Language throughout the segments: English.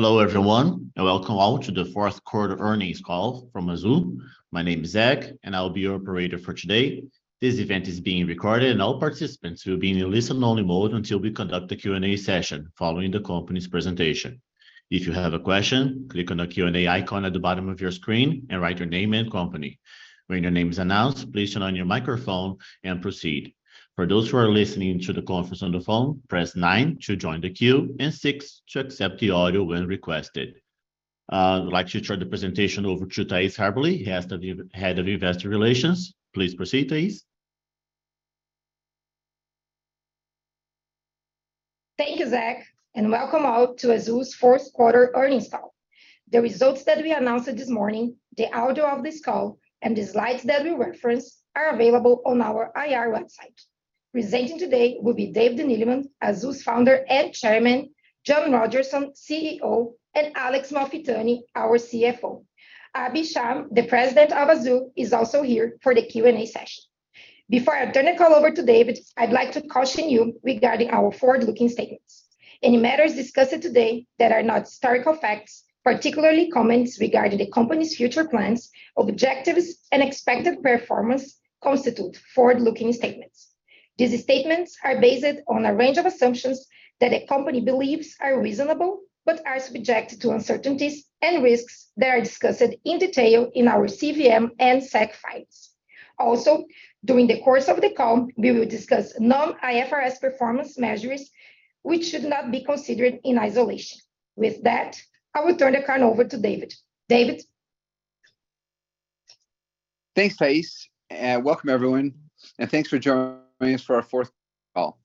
Hello everyone, welcome all to the 4Q earnings call from Azul. My name is Zach, I will be your operator for today. This event is being recorded, and all participants will be in a listen only mode until we conduct the Q&A session following the company's presentation. If you have a question, click on the Q&A icon at the bottom of your screen and write your name and company. When your name is announced, please turn on your microphone and proceed. For those who are listening to the conference on the phone, press nine to join the queue and six to accept the audio when requested. I'd like to turn the presentation over to Thais Haberli, head of Investor Relations. Please proceed, Thais. Thank you, Zach, and welcome all to Azul's 4Q earnings call. The results that we announced this morning, the audio of this call, and the slides that we reference are available on our IR website. Presenting today will be David Neeleman, Azul's founder and chairman, John Rodgerson, CEO, and Alex Malfitani, our CFO. Abhi Shah, the president of Azul, is also here for the Q&A session. Before I turn the call over to David, I'd like to caution you regarding our forward-looking statements. Any matters discussed today that are not historical facts, particularly comments regarding the company's future plans, objectives, and expected performance constitute forward-looking statements. These statements are based on a range of assumptions that the company believes are reasonable, but are subject to uncertainties and risks that are discussed in detail in our CVM and SEC files. During the course of the call, we will discuss non-IFRS performance measures which should not be considered in isolation. With that, I will turn the call over to David. David? Thanks, Thais, and welcome everyone, and thanks for joining us for our fourth call.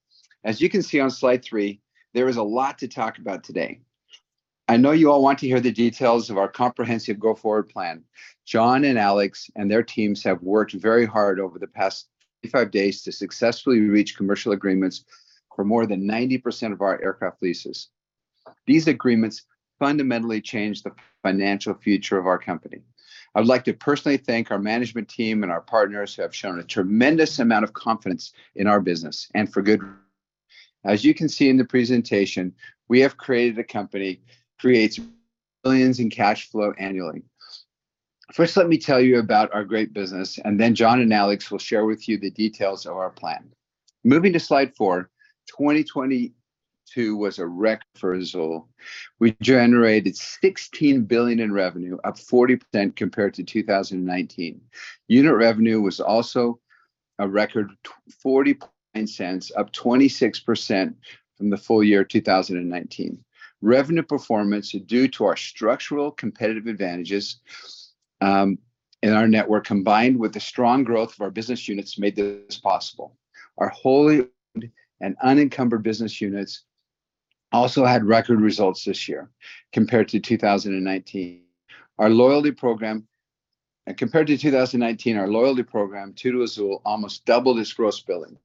As you can see on slide 3, there is a lot to talk about today. I know you all want to hear the details of our comprehensive go forward plan. John and Alex and their teams have worked very hard over the past 55 days to successfully reach commercial agreements for more than 90% of our aircraft leases. These agreements fundamentally change the financial future of our company. I would like to personally thank our management team and our partners who have shown a tremendous amount of confidence in our business and for good reason. As you can see in the presentation, we have created a company creates billions in cash flow annually. First, let me tell you about our great business, and then John and Alex will share with you the details of our plan. Moving to slide 4, 2022 was a record for Azul. We generated 16 billion in revenue, up 40% compared to 2019. Unit revenue was also a record 0.49, up 26% from the full year 2019. Revenue performance due to our structural competitive advantages in our network, combined with the strong growth of our business units, made this possible. Our wholly owned and unencumbered business units also had record results this year compared to 2019. Compared to 2019, our loyalty program, Tudo Azul, almost doubled its gross billing.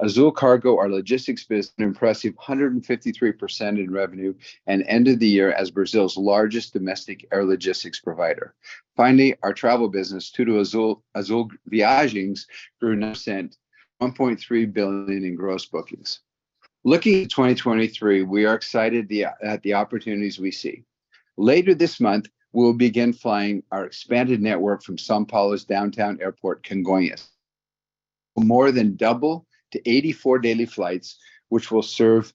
Azul Cargo, our logistics business, an impressive 153% in revenue and ended the year as Brazil's largest domestic air logistics provider. Finally, our travel business, Tudo Azul, Azul Viagens, grew 9%, 1.3 billion in gross bookings. Looking at 2023, we are excited at the opportunities we see. Later this month, we'll begin flying our expanded network from São Paulo's downtown airport, Congonhas. More than double to 84 daily flights, which will serve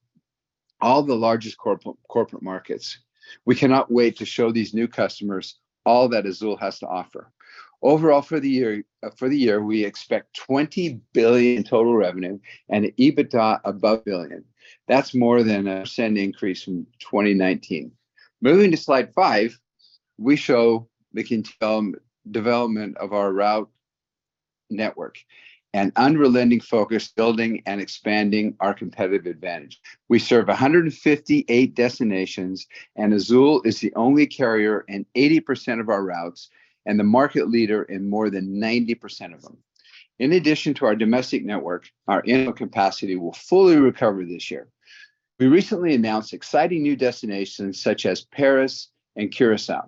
all the largest corporate markets. We cannot wait to show these new customers all that Azul has to offer. Overall for the year, we expect 20 billion in total revenue and EBITDA above 1 billion. That's more than a percent increase from 2019. Moving to slide five, we show the development of our route network and unrelenting focus building and expanding our competitive advantage. We serve 158 destinations, Azul is the only carrier in 80% of our routes and the market leader in more than 90% of them. In addition to our domestic network, our annual capacity will fully recover this year. We recently announced exciting new destinations such as Paris and Curaçao.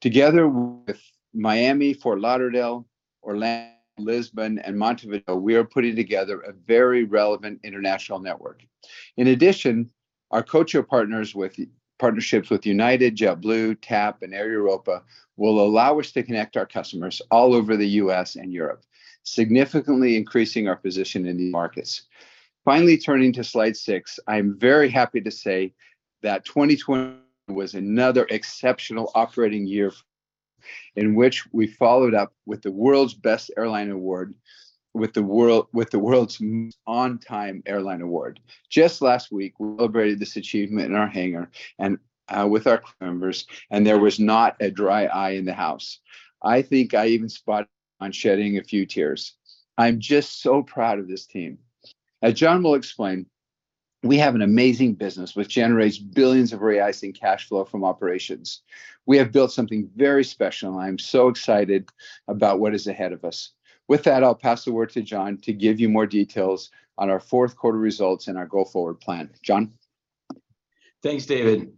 Together with Miami, Fort Lauderdale, Orlando, Lisbon, and Montevideo, we are putting together a very relevant international network. In addition, our codeshare partnerships with United, JetBlue, TAP, and Air Europa will allow us to connect our customers all over the U.S. and Europe, significantly increasing our position in these markets. Finally, turning to slide six, I am very happy to say that 2020 was another exceptional operating year in which we followed up with the world's best airline award with the world's most on-time airline award. Just last week, we celebrated this achievement in our hangar and, with our crew members, there was not a dry eye in the house. I think I even spotted John shedding a few tears. I'm just so proud of this team. As John will explain, we have an amazing business which generates billions of reais in cash flow from operations. We have built something very special. I am so excited about what is ahead of us. With that, I'll pass the word to John to give you more details on our 4Q results and our go-forward plan. John? Thanks, David.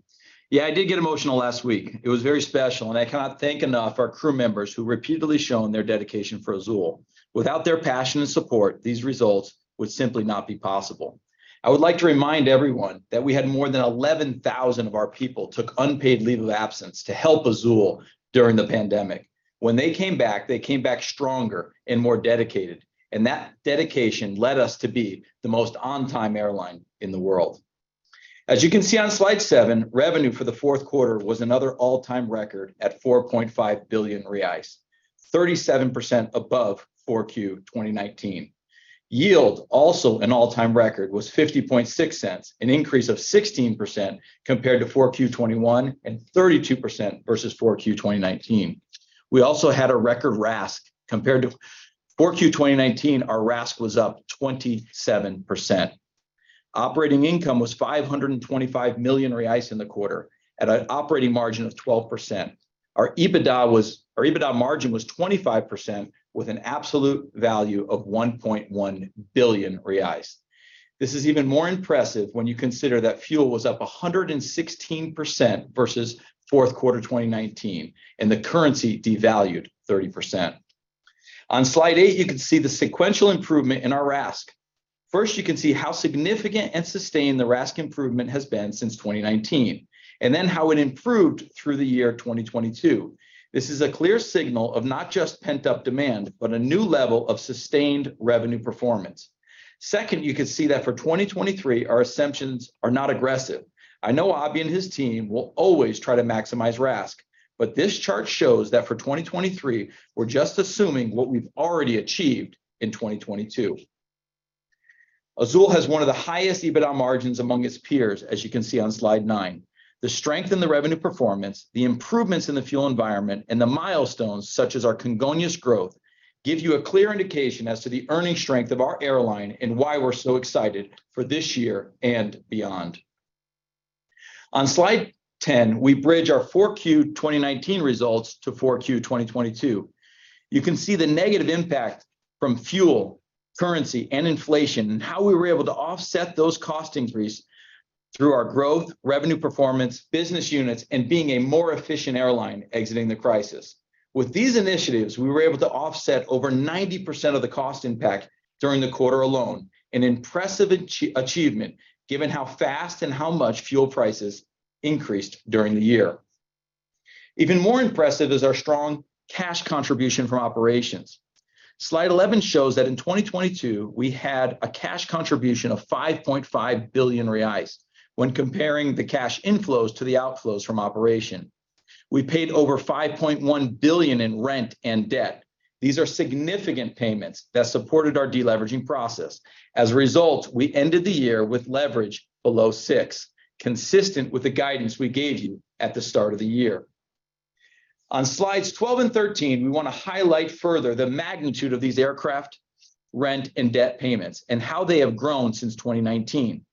Yeah, I did get emotional last week. It was very special, and I cannot thank enough our crew members who repeatedly shown their dedication for Azul. Without their passion and support, these results would simply not be possible. I would like to remind everyone that we had more than 11,000 of our people took unpaid leave of absence to help Azul during the pandemic. When they came back, they came back stronger and more dedicated, and that dedication led us to be the most on-time airline in the world. As you can see on slide seven, revenue for the 4Q was another all-time record at 4.5 billion reais, 37% above 4Q 2019. Yield, also an all-time record, was 0.506, an increase of 16% compared to 4Q 2021 and 32% versus 4Q 2019. We also had a record RASK. Compared to 4Q 2019, our RASK was up 27%. Operating income was 525 million reais in the quarter at an operating margin of 12%. Our EBITDA margin was 25% with an absolute value of 1.1 billion reais. This is even more impressive when you consider that fuel was up 116% versus 4Q 2019, and the currency devalued 30%. On slide eight you can see the sequential improvement in our RASK. First, you can see how significant and sustained the RASK improvement has been since 2019, and then how it improved through the year 2022. This is a clear signal of not just pent-up demand, but a new level of sustained revenue performance. Second, you can see that for 2023, our assumptions are not aggressive. I know Abhi and his team will always try to maximize RASK, but this chart shows that for 2023, we're just assuming what we've already achieved in 2022. Azul has one of the highest EBITDA margins among its peers, as you can see on slide 9. The strength in the revenue performance, the improvements in the fuel environment, and the milestones such as our Congonhas growth give you a clear indication as to the earning strength of our airline and why we're so excited for this year and beyond. On slide 10, we bridge our 4Q 2019 results to 4Q 2022. You can see the negative impact from fuel, currency, and inflation, and how we were able to offset those cost increase through our growth, revenue performance, business units, and being a more efficient airline exiting the crisis. With these initiatives, we were able to offset over 90% of the cost impact during the quarter alone, an impressive achievement given how fast and how much fuel prices increased during the year. Even more impressive is our strong cash contribution from operations. Slide 11 shows that in 2022, we had a cash contribution of 5.5 billion reais when comparing the cash inflows to the outflows from operation. We paid over 5.1 billion in rent and debt. These are significant payments that supported our de-leveraging process. As a result, we ended the year with leverage below six, consistent with the guidance we gave you at the start of the year. On slides 12 and 13, we want to highlight further the magnitude of these aircraft rent and debt payments and how they have grown since 2019.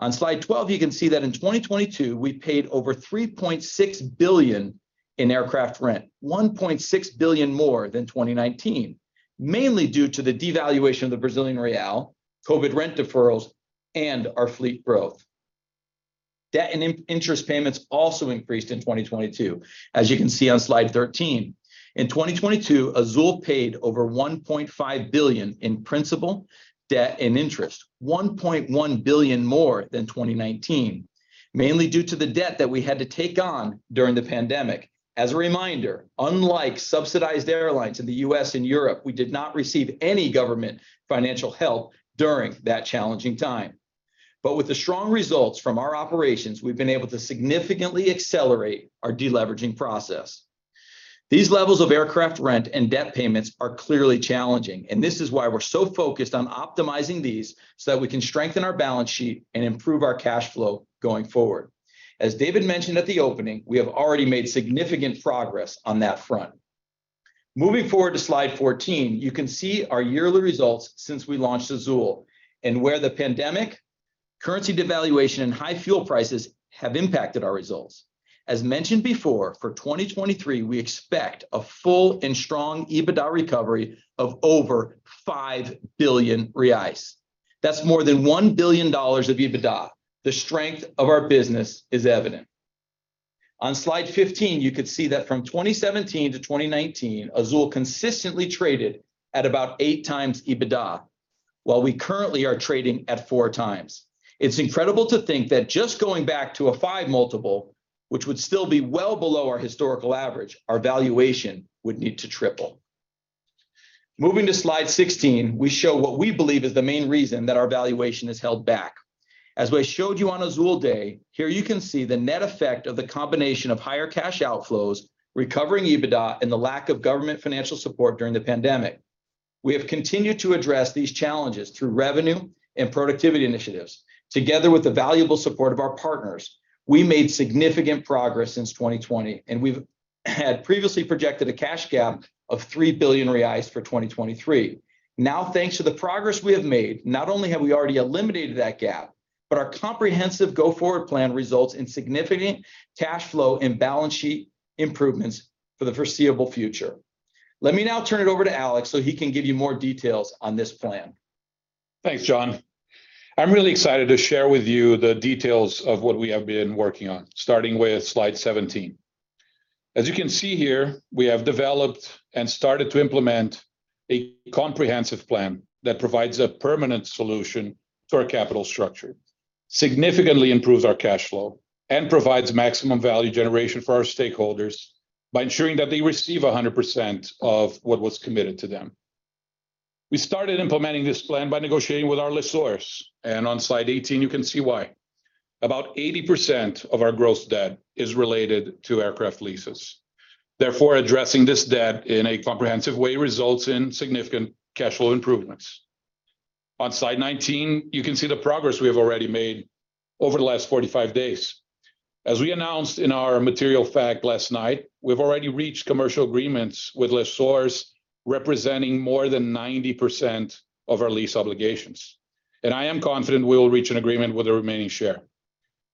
On slide 12, you can see that in 2022, we paid over 3.6 billion in aircraft rent, 1.6 billion more than 2019, mainly due to the devaluation of the Brazilian real, COVID rent deferrals, and our fleet growth. Debt and in-interest payments also increased in 2022, as you can see on slide 13. In 2022, Azul paid over 1.5 billion in principal debt and interest, 1.1 billion more than 2019, mainly due to the debt that we had to take on during the pandemic. As a reminder, unlike subsidized airlines in the U.S. and Europe, we did not receive any government financial help during that challenging time. With the strong results from our operations, we've been able to significantly accelerate our de-leveraging process. These levels of aircraft rent and debt payments are clearly challenging, and this is why we're so focused on optimizing these so that we can strengthen our balance sheet and improve our cash flow going forward. As David mentioned at the opening, we have already made significant progress on that front. Moving forward to slide 14, you can see our yearly results since we launched Azul and where the pandemic, currency devaluation, and high fuel prices have impacted our results. As mentioned before, for 2023, we expect a full and strong EBITDA recovery of over 5 billion reais. That's more than $1 billion of EBITDA. The strength of our business is evident. On slide 15, you can see that from 2017-2019, Azul consistently traded at about 8x EBITDA, while we currently are trading at 4x. It's incredible to think that just going back to a five multiple, which would still be well below our historical average, our valuation would need to triple. Moving to slide 16, we show what we believe is the main reason that our valuation is held back. As we showed you on Azul Day, here you can see the net effect of the combination of higher cash outflows, recovering EBITDA, and the lack of government financial support during the pandemic. We have continued to address these challenges through revenue and productivity initiatives. Together with the valuable support of our partners, we made significant progress since 2020, and we've had previously projected a cash gap of 3 billion reais for 2023. Thanks to the progress we have made, not only have we already eliminated that gap, but our comprehensive go-forward plan results in significant cash flow and balance sheet improvements for the foreseeable future. Let me now turn it over to Alex so he can give you more details on this plan. Thanks, John. I'm really excited to share with you the details of what we have been working on, starting with slide 17. As you can see here, we have developed and started to implement a comprehensive plan that provides a permanent solution to our capital structure, significantly improves our cash flow, and provides maximum value generation for our stakeholders by ensuring that they receive 100% of what was committed to them. We started implementing this plan by negotiating with our lessors. On slide 18, you can see why. About 80% of our gross debt is related to aircraft leases. Therefore, addressing this debt in a comprehensive way results in significant cash flow improvements. On slide 19, you can see the progress we have already made over the last 45 days. As we announced in our material fact last night, we've already reached commercial agreements with lessors representing more than 90% of our lease obligations. I am confident we will reach an agreement with the remaining share.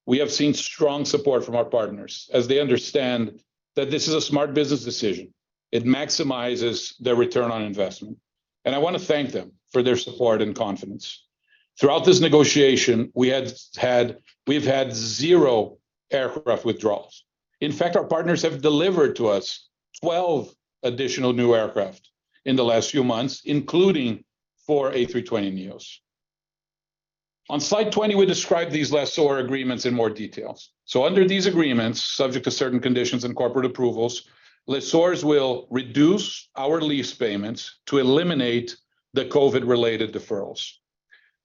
We have seen strong support from our partners as they understand that this is a smart business decision. It maximizes their return on investment, and I want to thank them for their support and confidence. Throughout this negotiation, we've had zero aircraft withdrawals. In fact, our partners have delivered to us 12 additional new aircraft in the last few months, including four A320neos. On slide 20, we describe these lessor agreements in more details. Under these agreements, subject to certain conditions and corporate approvals, lessors will reduce our lease payments to eliminate the COVID-related deferrals.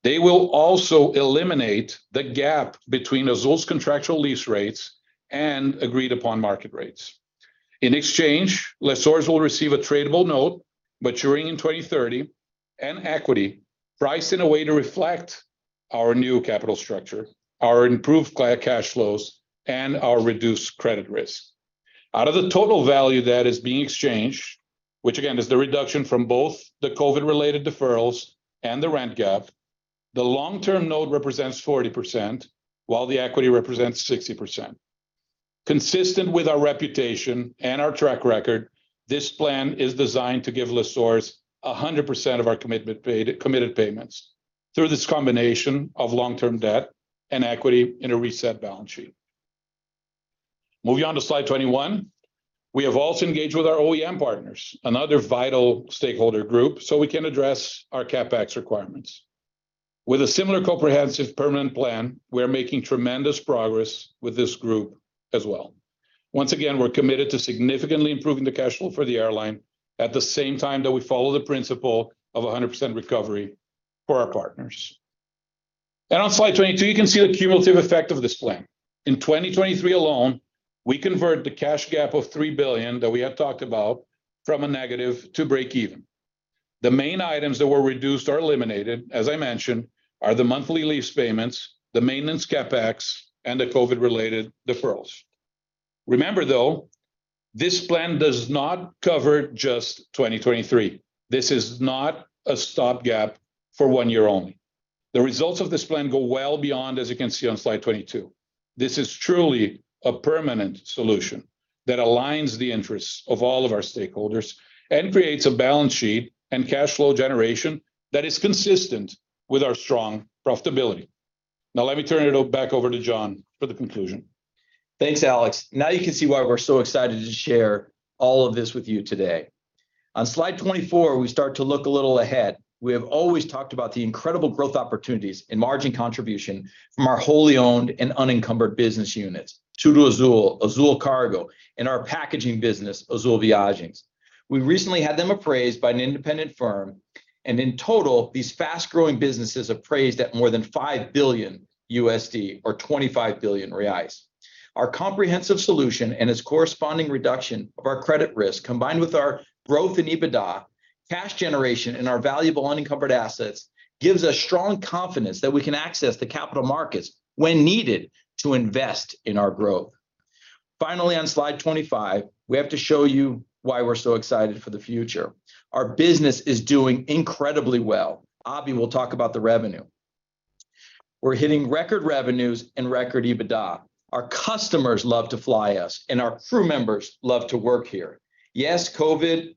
They will also eliminate the gap between Azul's contractual lease rates and agreed-upon market rates. In exchange, lessors will receive a tradable note maturing in 2030, and equity priced in a way to reflect our new capital structure, our improved cash flows, and our reduced credit risk. Out of the total value that is being exchanged, which again is the reduction from both the COVID-related deferrals and the rent gap, the long-term node represents 40% while the equity represents 60%. Consistent with our reputation and our track record, this plan is designed to give lessors 100% of our committed payments through this combination of long-term debt and equity in a reset balance sheet. Moving on to slide 21. We have also engaged with our OEM partners, another vital stakeholder group, so we can address our CapEx requirements. With a similar comprehensive permanent plan, we are making tremendous progress with this group as well. Once again, we're committed to significantly improving the cash flow for the airline at the same time that we follow the principle of 100% recovery for our partners. On slide 22, you can see the cumulative effect of this plan. In 2023 alone, we convert the cash gap of 3 billion that we have talked about from a negative to breakeven. The main items that were reduced or eliminated, as I mentioned, are the monthly lease payments, the maintenance CapEx, and the COVID-related deferrals. Remember though, this plan does not cover just 2023. This is not a stopgap for one year only. The results of this plan go well beyond, as you can see on slide 22. This is truly a permanent solution that aligns the interests of all of our stakeholders and creates a balance sheet and cash flow generation that is consistent with our strong profitability. Let me turn it back over to John for the conclusion. Thanks, Alex. Now you can see why we're so excited to share all of this with you today. On slide 24, we start to look a little ahead. We have always talked about the incredible growth opportunities and margin contribution from our wholly owned and unencumbered business units, Tudo Azul, Azul Cargo, and our packaging business, Azul Viagens. We recently had them appraised by an independent firm, and in total, these fast-growing businesses appraised at more than $5 billion or 25 billion reais. Our comprehensive solution and its corresponding reduction of our credit risk, combined with our growth in EBITDA, cash generation, and our valuable unencumbered assets, gives us strong confidence that we can access the capital markets when needed to invest in our growth. Finally, on slide 25, we have to show you why we're so excited for the future. Our business is doing incredibly well. Abhi will talk about the revenue. We're hitting record revenues and record EBITDA. Our customers love to fly us, and our crew members love to work here. COVID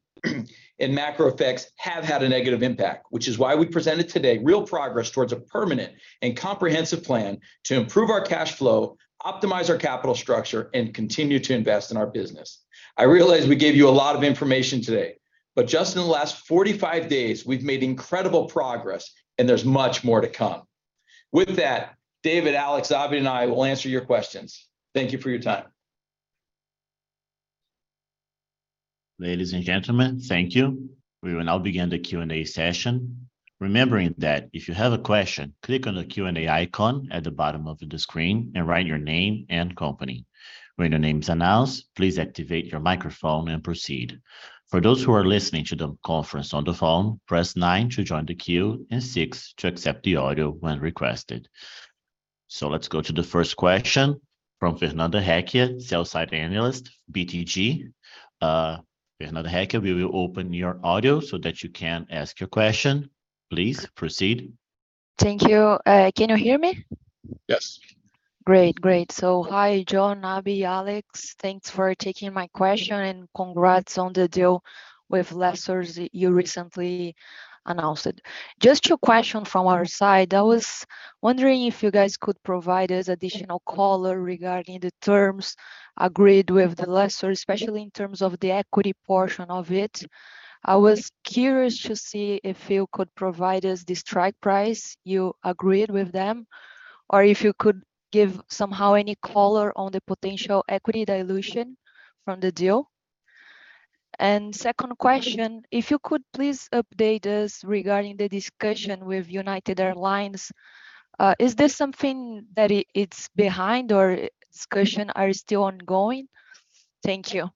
and macro effects have had a negative impact, which is why we presented today real progress towards a permanent and comprehensive plan to improve our cash flow, optimize our capital structure, and continue to invest in our business. I realize we gave you a lot of information today, but just in the last 45 days, we've made incredible progress, and there's much more to come. David, Alex, Abhi, and I will answer your questions. Thank you for your time. Ladies and gentlemen, thank you. We will now begin the Q&A session. Remembering that if you have a question, click on the Q&A icon at the bottom of the screen and write your name and company. When your name is announced, please activate your microphone and proceed. For those who are listening to the conference on the phone, press nine to join the queue and six to accept the audio when requested. Let's go to the first question from Fernando Gekke, sell-side analyst, BTG. Fernando Gekke, we will open your audio so that you can ask your question. Please proceed. Thank you. Can you hear me? Yes. Great. Great. So hi John, Abhi, Alex. Thanks for taking my question, and congrats on the deal with lessors that you recently announced. Just two question from our side. I was wondering if you guys could provide us additional color regarding the terms agreed with the lessor, especially in terms of the equity portion of it. I was curious to see if you could provide us the strike price you agreed with them, or if you could give somehow any color on the potential equity dilution from the deal. Second question, if you could please update us regarding the discussion with United Airlines. Is this something that it's behind or discussion are still ongoing? Thank you.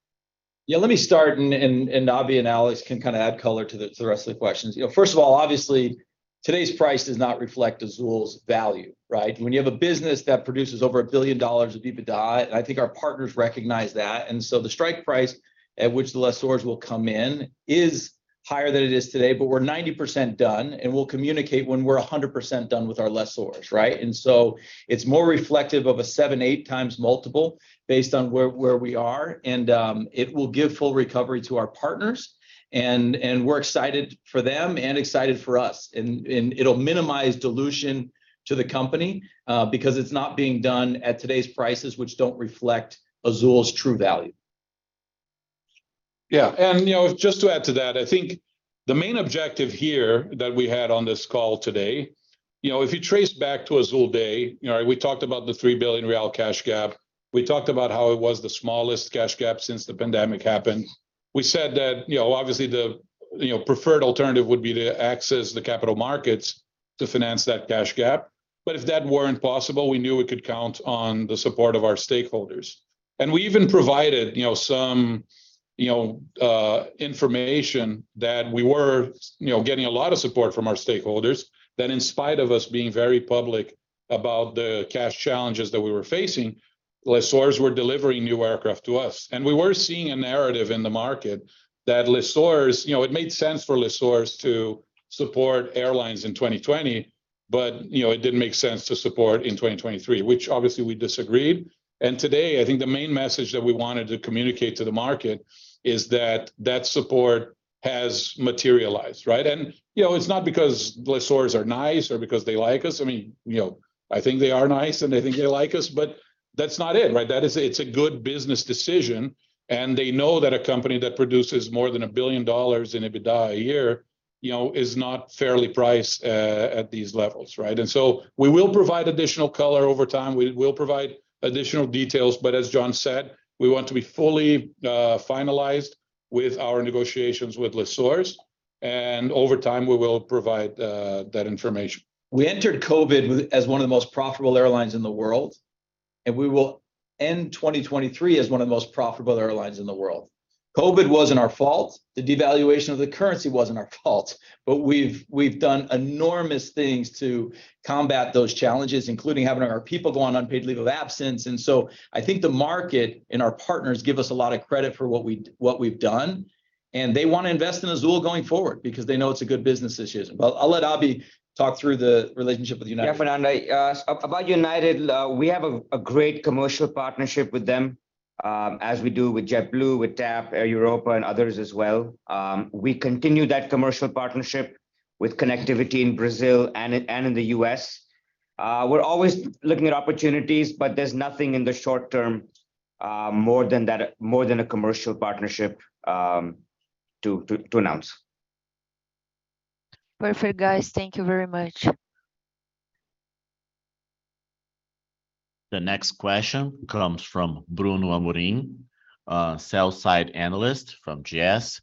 Yeah, let me start. Abhi and Alex can kind of add color to the rest of the questions. You know, first of all, obviously today's price does not reflect Azul's value, right? When you have a business that produces over $1 billion of EBITDA, I think our partners recognize that. The strike price at which the lessors will come in is higher than it is today, we're 90% done. We'll communicate when we're 100% done with our lessors, right? It's more reflective of a 7-8 times multiple based on where we are. It will give full recovery to our partners. We're excited for them and excited for us. It'll minimize dilution to the company, because it's not being done at today's prices, which don't reflect Azul's true value. Yeah. You know, just to add to that, I think the main objective here that we had on this call today, you know, if you trace back to Azul Day, you know, we talked about the 3 billion real cash gap. We talked about how it was the smallest cash gap since the pandemic happened. We said that, you know, obviously the, you know, preferred alternative would be to access the capital markets to finance that cash gap. If that weren't possible, we knew we could count on the support of our stakeholders. We even provided, you know, some, you know, information that we were, you know, getting a lot of support from our stakeholders. That in spite of us being very public about the cash challenges that we were facing, lessors were delivering new aircraft to us. We were seeing a narrative in the market that lessors... You know, it made sense for lessors to support airlines in 2020, but, you know, it didn't make sense to support in 2023, which obviously we disagreed. Today I think the main message that we wanted to communicate to the market is that that support has materialized, right? You know, it's not because lessors are nice or because they like us. I mean, you know, I think they are nice, and I think they like us, but that's not it, right? That is... It's a good business decision, and they know that a company that produces more than $1 billion in EBITDA a year, you know, is not fairly priced at these levels, right? We will provide additional color over time. We will provide additional details. As John said, we want to be fully finalized with our negotiations with lessors, and over time, we will provide that information. We entered COVID with, as one of the most profitable airlines in the world, and we will end 2023 as one of the most profitable airlines in the world. COVID wasn't our fault. The devaluation of the currency wasn't our fault. We've done enormous things to combat those challenges, including having our people go on unpaid leave of absence. I think the market and our partners give us a lot of credit for what we've done, and they want to invest in Azul going forward because they know it's a good business decision. I'll let Abhi talk through the relationship with United. Yeah. Fernando, about United, we have a great commercial partnership with them, as we do with JetBlue, with TAP, Air Europa, and others as well. We continue that commercial partnership with connectivity in Brazil and in the U.S. We're always looking at opportunities, but there's nothing in the short term, more than a commercial partnership to announce. Perfect, guys. Thank you very much. The next question comes from Bruno Amorim, sell-side analyst from GS.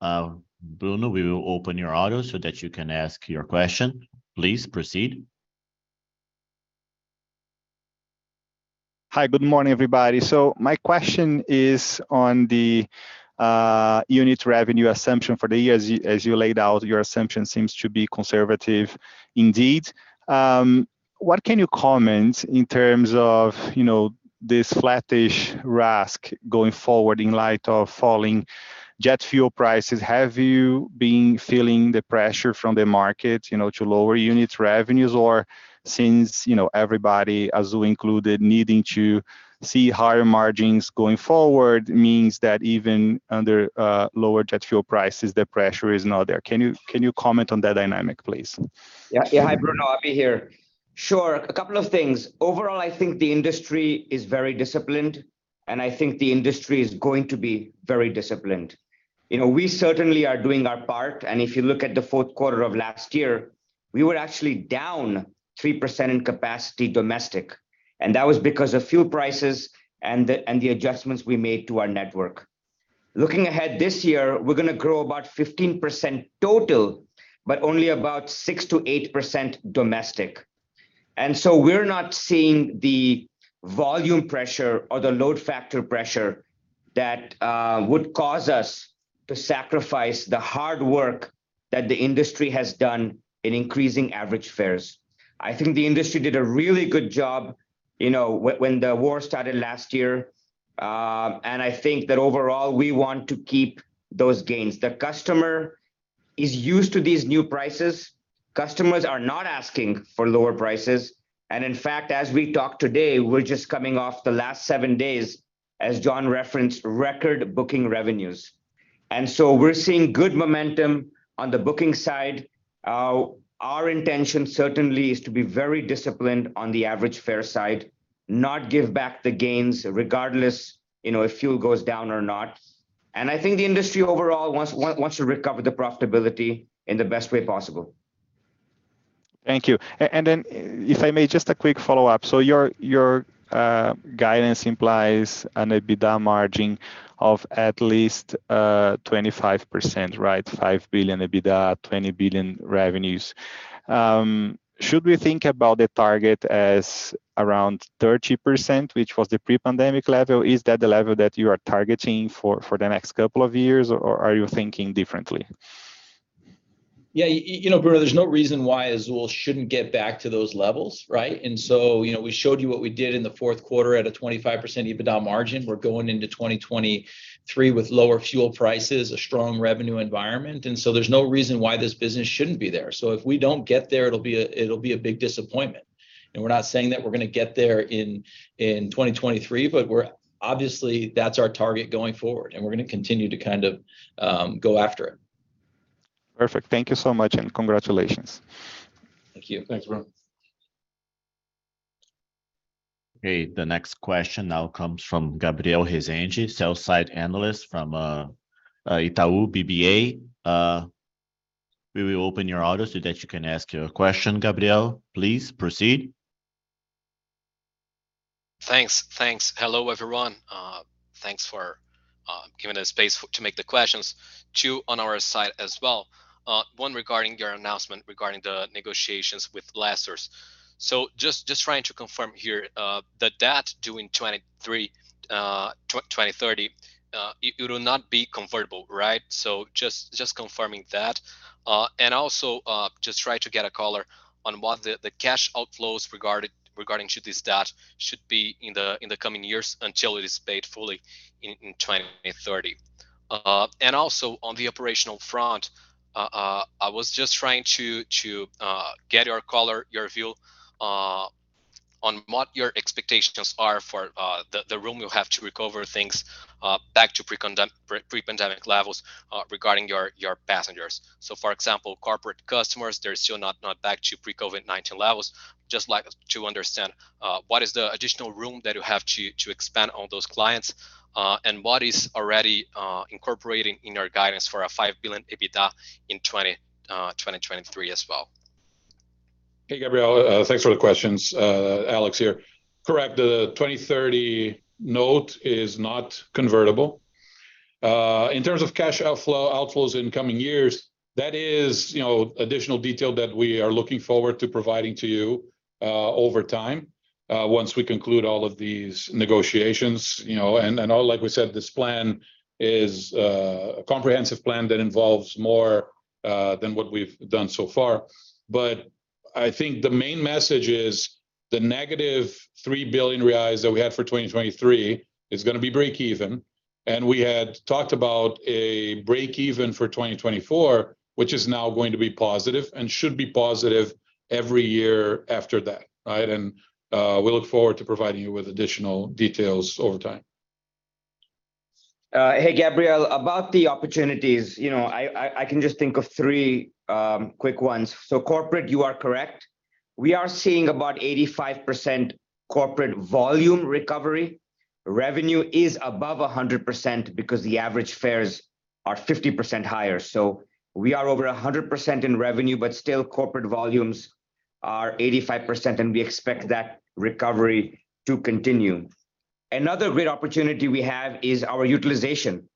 Bruno, we will open your audio so that you can ask your question. Please proceed. Hi. Good morning, everybody. My question is on the unit revenue assumption for the year. As you laid out, your assumption seems to be conservative indeed. What can you comment in terms of, you know, this flattish RASK going forward in light of falling jet fuel prices? Have you been feeling the pressure from the market, you know, to lower unit revenues? Since, you know, everybody, Azul included, needing to see higher margins going forward means that even under lower jet fuel prices, the pressure is not there. Can you comment on that dynamic, please? Yeah. Yeah. Hi, Bruno, Abhi here. Sure. A couple of things. Overall, I think the industry is very disciplined, and I think the industry is going to be very disciplined. You know, we certainly are doing our part, and if you look at the 4Q of last year, we were actually down 3% in capacity domestic, and that was because of fuel prices and the adjustments we made to our network. Looking ahead this year, we're gonna grow about 15% total, but only about 6%-8% domestic. We're not seeing the volume pressure or the load factor pressure that would cause us to sacrifice the hard work that the industry has done in increasing average fares. I think the industry did a really good job, you know, when the war started last year. I think that overall we want to keep those gains. The customer is used to these new prices, customers are not asking for lower prices. In fact, as we talk today, we're just coming off the last seven days, as John referenced, record booking revenues. We're seeing good momentum on the booking side. Our intention certainly is to be very disciplined on the average fare side, not give back the gains regardless, you know, if fuel goes down or not. I think the industry overall wants to recover the profitability in the best way possible. Thank you. If I may, just a quick follow-up. Your guidance implies an EBITDA margin of at least 25%, right? 5 billion EBITDA, 20 billion revenues. Should we think about the target as around 30%, which was the pre-pandemic level? Is that the level that you are targeting for the next couple of years, or are you thinking differently? Yeah, you know, Bruno, there's no reason why Azul shouldn't get back to those levels, right? You know, we showed you what we did in the 4Q at a 25% EBITDA margin. We're going into 2023 with lower fuel prices, a strong revenue environment, there's no reason why this business shouldn't be there. If we don't get there, it'll be a big disappointment. We're not saying that we're gonna get there in 2023, but obviously, that's our target going forward, and we're gonna continue to kind of go after it. Perfect. Thank you so much, and congratulations. Thank you. Thanks, Bruno. Okay. The next question now comes from Gabriel Rezende, sell-side analyst from Itaú BBA. We will open your audio so that you can ask your question, Gabriel. Please proceed. Thanks. Thanks. Hello, everyone. Thanks for giving the space to make the questions. Two on our side as well. 1 regarding your announcement regarding the negotiations with lessors. Just trying to confirm here, the debt due in 2023, 2030, it will not be convertible, right? Just confirming that. Also, just try to get a caller on what the cash outflows regarding to this debt should be in the coming years until it is paid fully in 2030. Also on the operational front, I was just trying to get your color, your view, on what your expectations are for the room you have to recover things back to pre-pandemic levels regarding your passengers. For example, corporate customers, they're still not back to pre-COVID-19 levels. Just like to understand what is the additional room that you have to expand on those clients, and what is already incorporating in your guidance for a 5 billion EBITDA in 2023 as well. Hey, Gabriel. thanks for the questions. Alex here. Correct. The 2030 note is not convertible. In terms of cash outflows in coming years, that is, you know, additional detail that we are looking forward to providing to you over time once we conclude all of these negotiations, you know? Like we said, this plan is a comprehensive plan that involves more than what we've done so far. I think the main message is the -3 billion reais that we have for 2023 is gonna be breakeven. We had talked about a breakeven for 2024, which is now going to be positive and should be positive every year after that, right? We look forward to providing you with additional details over time. Hey, Gabriel. About the opportunities, you know, I can just think of three quick ones. Corporate, you are correct. We are seeing about 85% corporate volume recovery. Revenue is above 100% because the average fares are 50% higher. We are over 100% in revenue, but still corporate volumes are 85%, and we expect that recovery to continue. Another great opportunity we have is our utilization.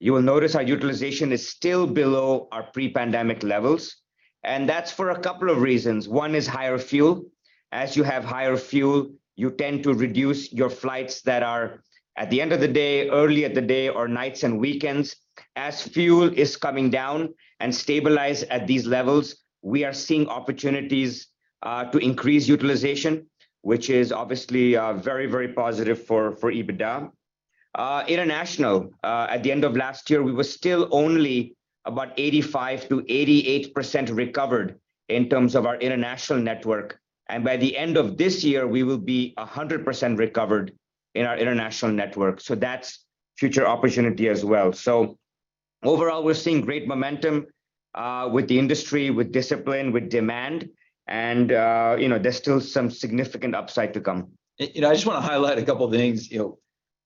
You will notice our utilization is still below our pre-pandemic levels, and that's for a couple of reasons. One is higher fuel. As you have higher fuel, you tend to reduce your flights that are at the end of the day, early at the day, or nights and weekends. As fuel is coming down and stabilize at these levels, we are seeing opportunities to increase utilization, which is obviously very, very positive for EBITDA. International, at the end of last year, we were still only about 85%-88% recovered in terms of our international network. By the end of this year, we will be 100% recovered in our international network. That's future opportunity as well. Overall, we're seeing great momentum with the industry, with discipline, with demand, you know, there's still some significant upside to come. I just wanna highlight a couple things. You know,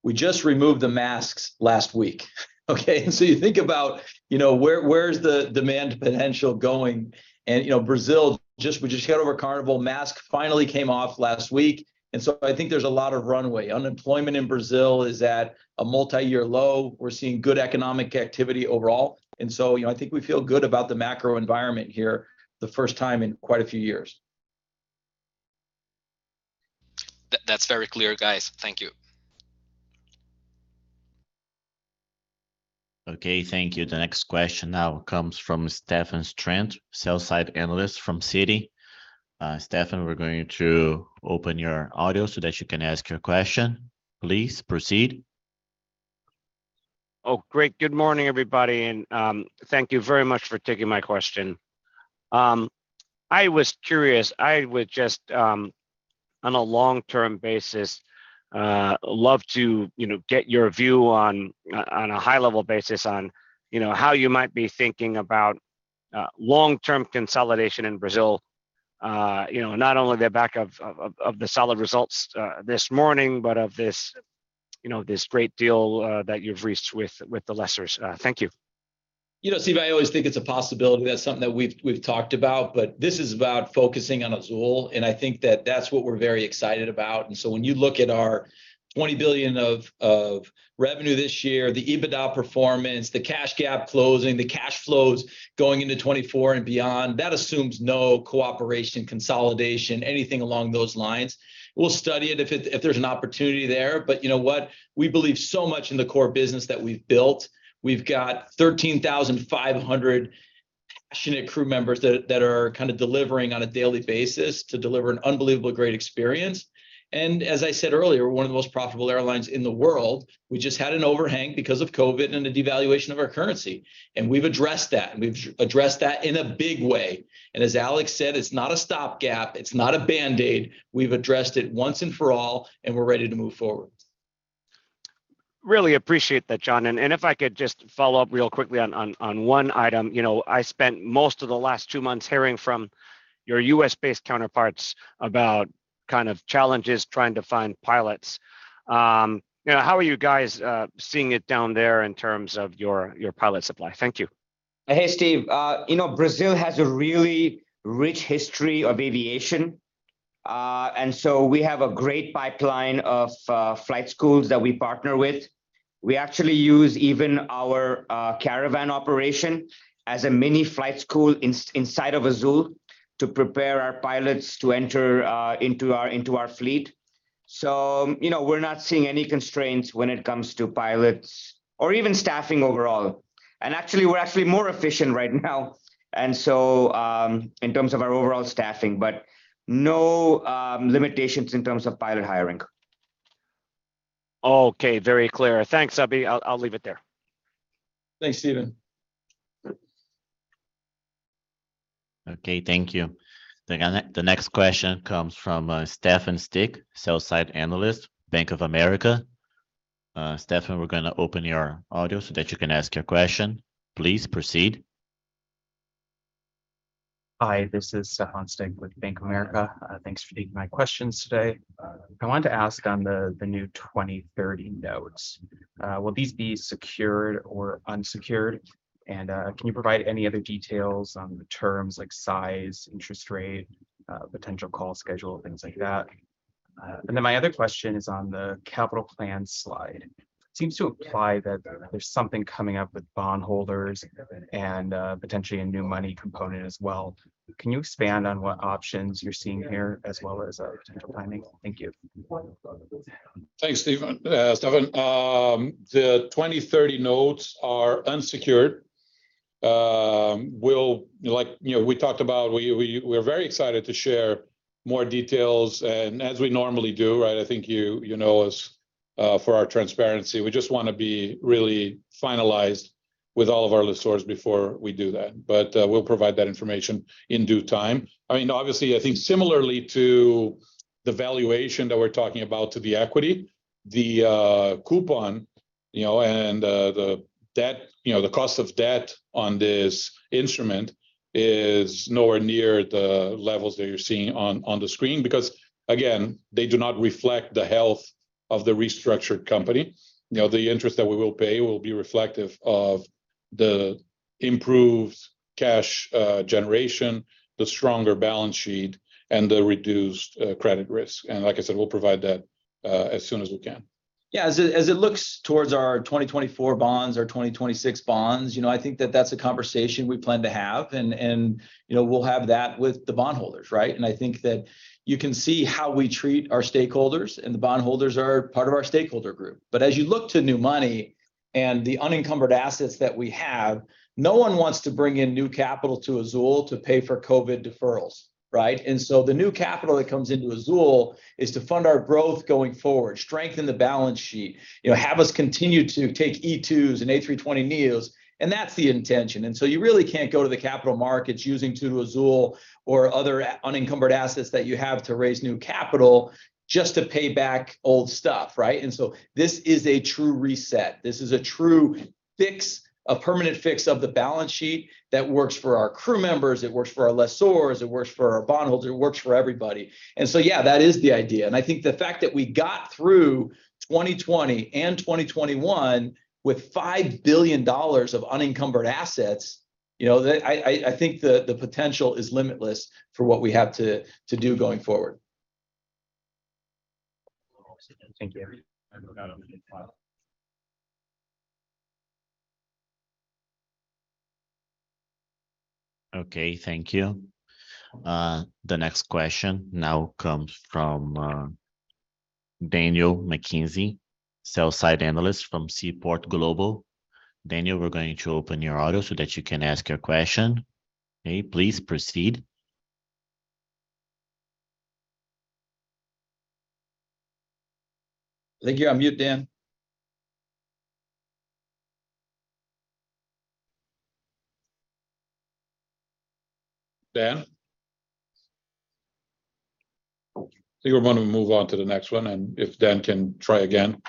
we just removed the masks last week, okay? You think about, you know, where's the demand potential going? You know, Brazil we just got over Carnival. Mask finally came off last week. I think there's a lot of runway. Unemployment in Brazil is at a multi-year low. We're seeing good economic activity overall. You know, I think we feel good about the macro environment here the first time in quite a few years. That's very clear, guys. Thank you. Okay, thank you. The next question now comes from Stephen Trent, sell-side analyst from Citi. Stephen, we're going to open your audio so that you can ask your question. Please proceed. Oh, great. Good morning, everybody, thank you very much for taking my question. I was curious, I would just on a long-term basis, love to, you know, get your view on a high-level basis on, you know, how you might be thinking about long-term consolidation in Brazil. You know, not only the back of the solid results this morning, but of this, you know, this great deal that you've reached with the lessors. Thank you. You know, Steve, I always think it's a possibility. That's something that we've talked about, but this is about focusing on Azul, and I think that that's what we're very excited about. When you look at our 20 billion of revenue this year, the EBITDA performance, the cash gap closing, the cash flows going into 2024 and beyond, that assumes no cooperation, consolidation, anything along those lines. We'll study it if there's an opportunity there. You know what? We believe so much in the core business that we've built. We've got 13,500 passionate crew members that are kind of delivering on a daily basis to deliver an unbelievable great experience. As I said earlier, we're one of the most profitable airlines in the world. We just had an overhang because of COVID and the devaluation of our currency. We've addressed that, and we've addressed that in a big way. As Alex said, it's not a stopgap, it's not a band-aid. We've addressed it once and for all, and we're ready to move forward. Really appreciate that, John. If I could just follow up real quickly on one item. You know, I spent most of the last two months hearing from your US-based counterparts about kind of challenges trying to find pilots. You know, how are you guys seeing it down there in terms of your pilot supply? Thank you. Hey, Steve. You know, Brazil has a really rich history of aviation. We have a great pipeline of flight schools that we partner with. We actually use even our caravan operation as a mini flight school inside of Azul to prepare our pilots to enter into our fleet. You know, we're not seeing any constraints when it comes to pilots or even staffing overall. We're actually more efficient right now in terms of our overall staffing, but no limitations in terms of pilot hiring. Okay, very clear. Thanks. I'll leave it there. Thanks, Stephen. Okay, thank you. The next question comes from Stephen Suttmeier, Sell-side Analyst, Bank of America. Stephen, we're gonna open your audio so that you can ask your question. Please proceed. Hi, this is Stephen Suttmeier with Bank of America. Thanks for taking my questions today. I wanted to ask on the new 2030 notes, will these be secured or unsecured? Can you provide any other details on the terms like size, interest rate, potential call schedule, things like that? My other question is on the capital plan slide. It seems to imply that there's something coming up with bondholders and potentially a new money component as well. Can you expand on what options you're seeing here as well as potential timing? Thank you. Thanks, Stephen, Stephen. The 2030 notes are unsecured. We'll, like, you know, we talked about, we're very excited to share more details and as we normally do, right? I think you know us, for our transparency. We just wanna be really finalized with all of our lessors before we do that. We'll provide that information in due time. I mean, obviously, I think similarly to the valuation that we're talking about to the equity, the coupon, you know, and the debt, you know, the cost of debt on this instrument is nowhere near the levels that you're seeing on the screen because, again, they do not reflect the health of the restructured company. You know, the interest that we will pay will be reflective of the improved cash generation, the stronger balance sheet, and the reduced credit risk. Like I said, we'll provide that as soon as we can. Yeah, as it looks towards our 2024 bonds or 2026 bonds, you know, I think that that's a conversation we plan to have and, you know, we'll have that with the bondholders, right? I think that you can see how we treat our stakeholders, and the bondholders are part of our stakeholder group. As you look to new money and the unencumbered assets that we have, no one wants to bring in new capital to Azul to pay for COVID deferrals, right? The new capital that comes into Azul is to fund our growth going forward, strengthen the balance sheet, you know, have us continue to take E2s and A320neos, and that's the intention. You really can't go to the capital markets using Azul or other unencumbered assets that you have to raise new capital just to pay back old stuff, right? This is a true reset. This is a true fix, a permanent fix of the balance sheet that works for our crew members, it works for our lessors, it works for our bondholders, it works for everybody. Yeah, that is the idea. I think the fact that we got through 2020 and 2021 with $5 billion of unencumbered assets, you know, the... I think the potential is limitless for what we have to do going forward. Thank you. Okay, thank you. The next question now comes from Daniel McKenzie, sell-side analyst from Seaport Global. Daniel, we're going to open your audio so that you can ask your question. Okay, please proceed. I think you're on mute, Dan. Dan? I think we're gonna move on to the next one. If Dan can try again.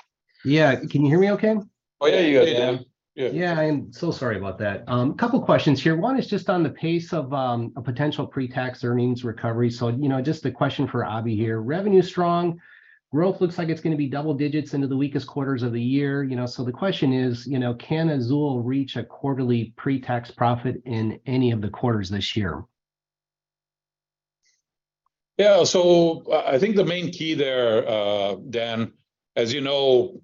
Yeah. Can you hear me okay? Oh, yeah, you got it, Dan. Yeah. Yeah. I'm so sorry about that. Couple questions here. One is just on the pace of a potential pre-tax earnings recovery. You know, just a question for Abhi here. Revenue's strong. Growth looks like it's going to be double-digits into the weakest quarters of the year, you know, the question is, you know, can Azul reach a quarterly pre-tax profit in any of the quarters this year? I think the main key there, Dan, as you know,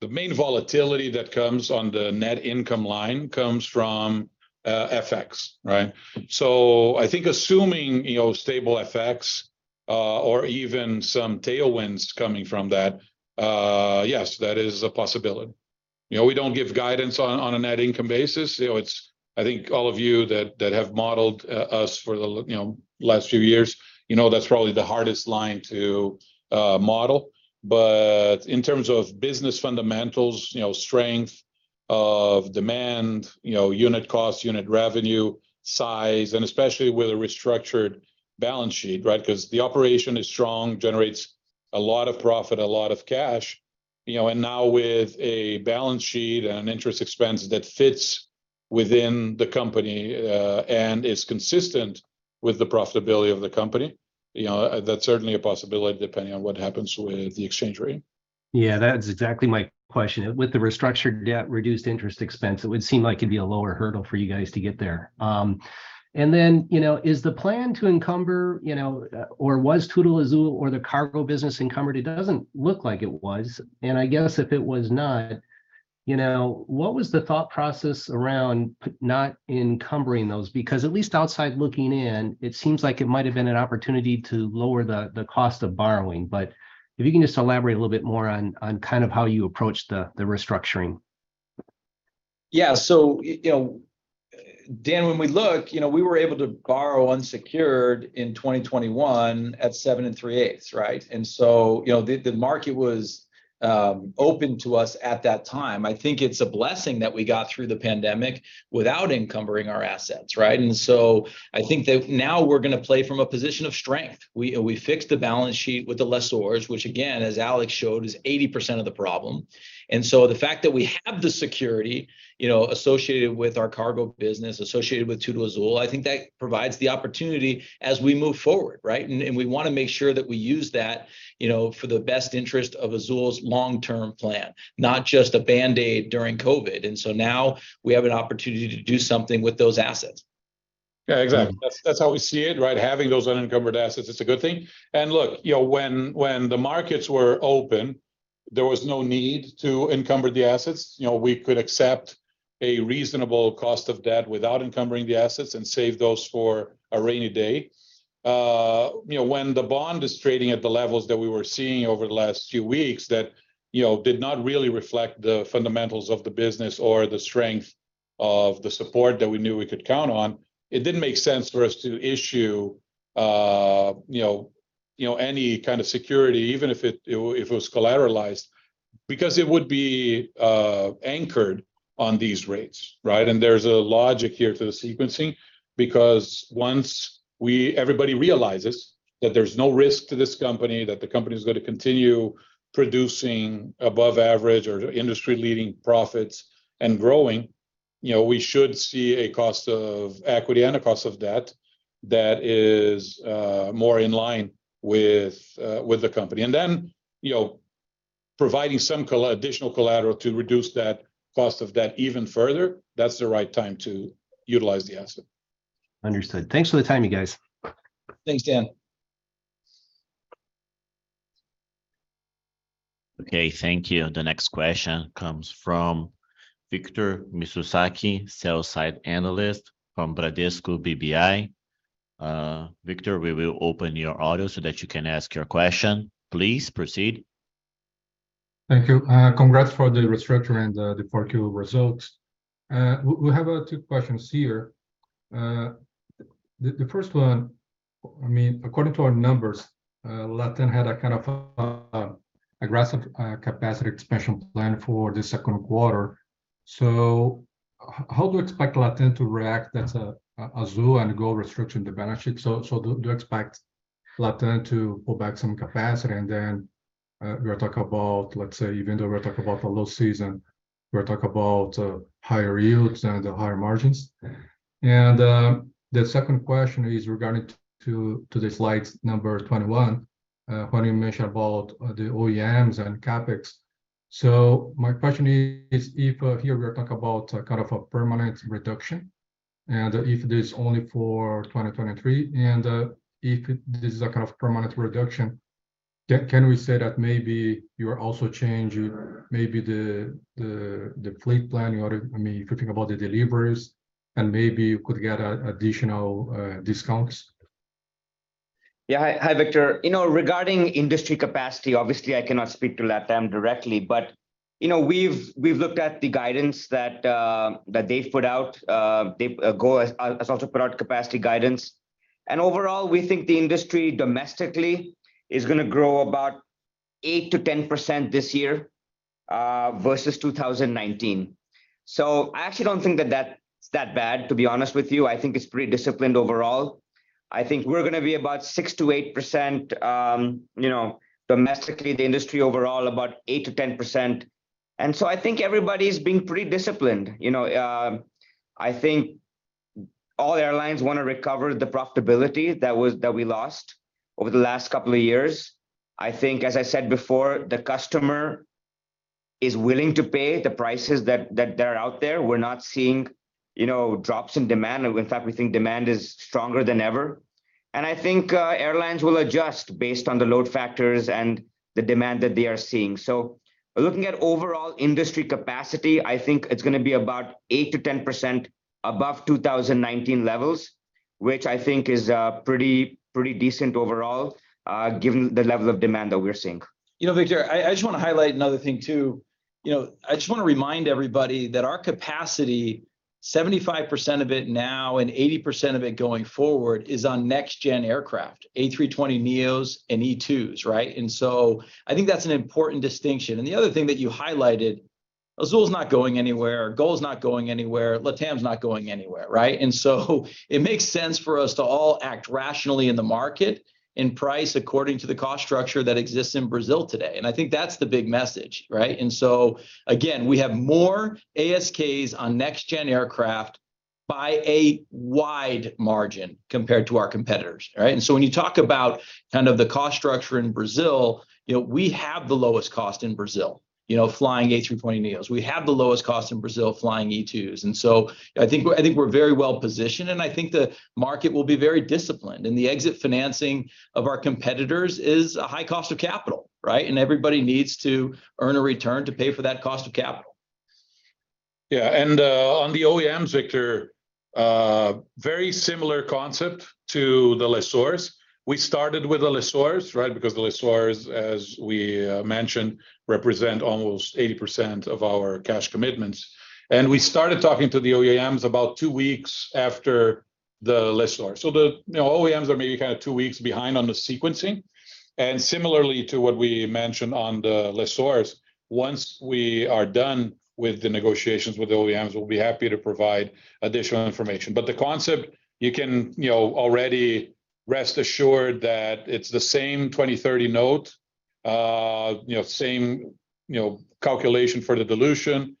the main volatility that comes on the net income line comes from FX, right? I think assuming, you know, stable FX, or even some tailwinds coming from that, yes, that is a possibility. You know, we don't give guidance on a net income basis. You know, I think all of you that have modeled us for the, you know, last few years, you know that's probably the hardest line to model. In terms of business fundamentals, you know, strength of demand, you know, unit cost, unit revenue, size, and especially with a restructured balance sheet, right? Because the operation is strong, generates a lot of profit, a lot of cash, you know, and now with a balance sheet and an interest expense that fits within the company, and is consistent with the profitability of the company, you know, that's certainly a possibility depending on what happens with the exchange rate. Yeah, that's exactly my question. With the restructured debt, reduced interest expense, it would seem like it'd be a lower hurdle for you guys to get there. You know, is the plan to encumber, you know, or was Tudo Azul or the cargo business encumbered? It doesn't look like it was. I guess if it was not, you know, what was the thought process around not encumbering those? Because at least outside looking in, it seems like it might have been an opportunity to lower the cost of borrowing. If you can just elaborate a little bit more on kind of how you approached the restructuring. Yeah. You know, Dan, when we look, you know, we were able to borrow unsecured in 2021 at seven and three-eighths, right? You know, the market was open to us at that time. I think it's a blessing that we got through the pandemic without encumbering our assets, right? I think that now we're gonna play from a position of strength. We fixed the balance sheet with the lessors, which again, as Alex showed, is 80% of the problem. The fact that we have the security, you know, associated with our cargo business, associated with Tudo Azul, I think that provides the opportunity as we move forward, right? We wanna make sure that we use that, you know, for the best interest of Azul's long-term plan, not just a band-aid during COVID. Now we have an opportunity to do something with those assets. Yeah, exactly. That's how we see it, right? Having those unencumbered assets, it's a good thing. Look, you know, when the markets were open, there was no need to encumber the assets. You know, we could accept a reasonable cost of debt without encumbering the assets and save those for a rainy day. You know, when the bond is trading at the levels that we were seeing over the last few weeks that, you know, did not really reflect the fundamentals of the business or the strength of the support that we knew we could count on, it didn't make sense for us to issue, you know, any kind of security, even if it was collateralized, because it would be anchored on these rates, right? There's a logic here to the sequencing because once everybody realizes that there's no risk to this company, that the company's gonna continue producing above average or industry leading profits and growing, you know, we should see a cost of equity and a cost of debt that is more in line with the company. Then, you know, providing some additional collateral to reduce that cost of debt even further, that's the right time to utilize the asset. Understood. Thanks for the time, you guys. Thanks, Dan. Okay, thank you. The next question comes from Victor Mizusaki, sell-side analyst from Bradesco BBI. Victor, we will open your audio so that you can ask your question. Please proceed. Thank you. Congrats for the restructure and the 4Q results. We have two questions here. The first one, I mean, according to our numbers, LATAM had a kind of aggressive capacity expansion plan for the 2Q. How do you expect LATAM to react that's Azul and GOL restructuring the balance sheet? Do you expect LATAM to pull back some capacity and then we are talk about, let's say, even though we are talk about the low season, we are talk about higher yields and the higher margins? The second question is regarding to the slides number 21, when you mention about the OEMs and CapEx. My question is if, here we are talking about kind of a permanent reduction, and if it is only for 2023? Can we say that maybe you are also changing maybe the fleet plan in order, I mean, if you think about the deliveries and maybe you could get additional discounts? Hi, Victor. You know, regarding industry capacity, obviously I cannot speak to LATAM directly, you know, we've looked at the guidance that they've put out. GOL has also put out capacity guidance, overall we think the industry domestically is gonna grow about 8%-10% this year versus 2019. I actually don't think that that's that bad, to be honest with you. I think it's pretty disciplined overall. I think we're gonna be about 6%-8%, you know, domestically, the industry overall about 8%-10%, I think everybody's being pretty disciplined. You know, I think all airlines wanna recover the profitability that we lost over the last couple of years. I think, as I said before, the customer is willing to pay the prices that are out there. We're not seeing, you know, drops in demand. In fact, we think demand is stronger than ever. I think airlines will adjust based on the load factors and the demand that they are seeing. Looking at overall industry capacity, I think it's gonna be about 8-10% above 2019 levels, which I think is pretty decent overall, given the level of demand that we're seeing. You know, Victor, I just wanna highlight another thing too. You know, I just wanna remind everybody that our capacity, 75% of it now and 80% of it going forward, is on next gen aircraft, A320neos and E2s, right? I think that's an important distinction. The other thing that you highlighted, Azul's not going anywhere, GOL's not going anywhere, LATAM's not going anywhere, right? It makes sense for us to all act rationally in the market and price according to the cost structure that exists in Brazil today, and I think that's the big message, right? Again, we have more ASKs on next gen aircraft by a wide margin compared to our competitors, right? When you talk about kind of the cost structure in Brazil, you know, we have the lowest cost in Brazil, you know, flying A320neos. We have the lowest cost in Brazil flying E2s. I think we're very well-positioned, and I think the market will be very disciplined, and the exit financing of our competitors is a high cost of capital, right? Everybody needs to earn a return to pay for that cost of capital. Yeah. On the OEMs, Victor, very similar concept to the lessors. We started with the lessors, right? Because the lessors, as we mentioned, represent almost 80% of our cash commitments. We started talking to the OEMs about two weeks after the lessor. The, you know, OEMs are maybe kind of two weeks behind on the sequencing. Similarly to what we mentioned on the lessors, once we are done with the negotiations with the OEMs, we'll be happy to provide additional information. The concept, you can, you know, already rest assured that it's the same 2030 note, you know, same, you know, calculation for the dilution,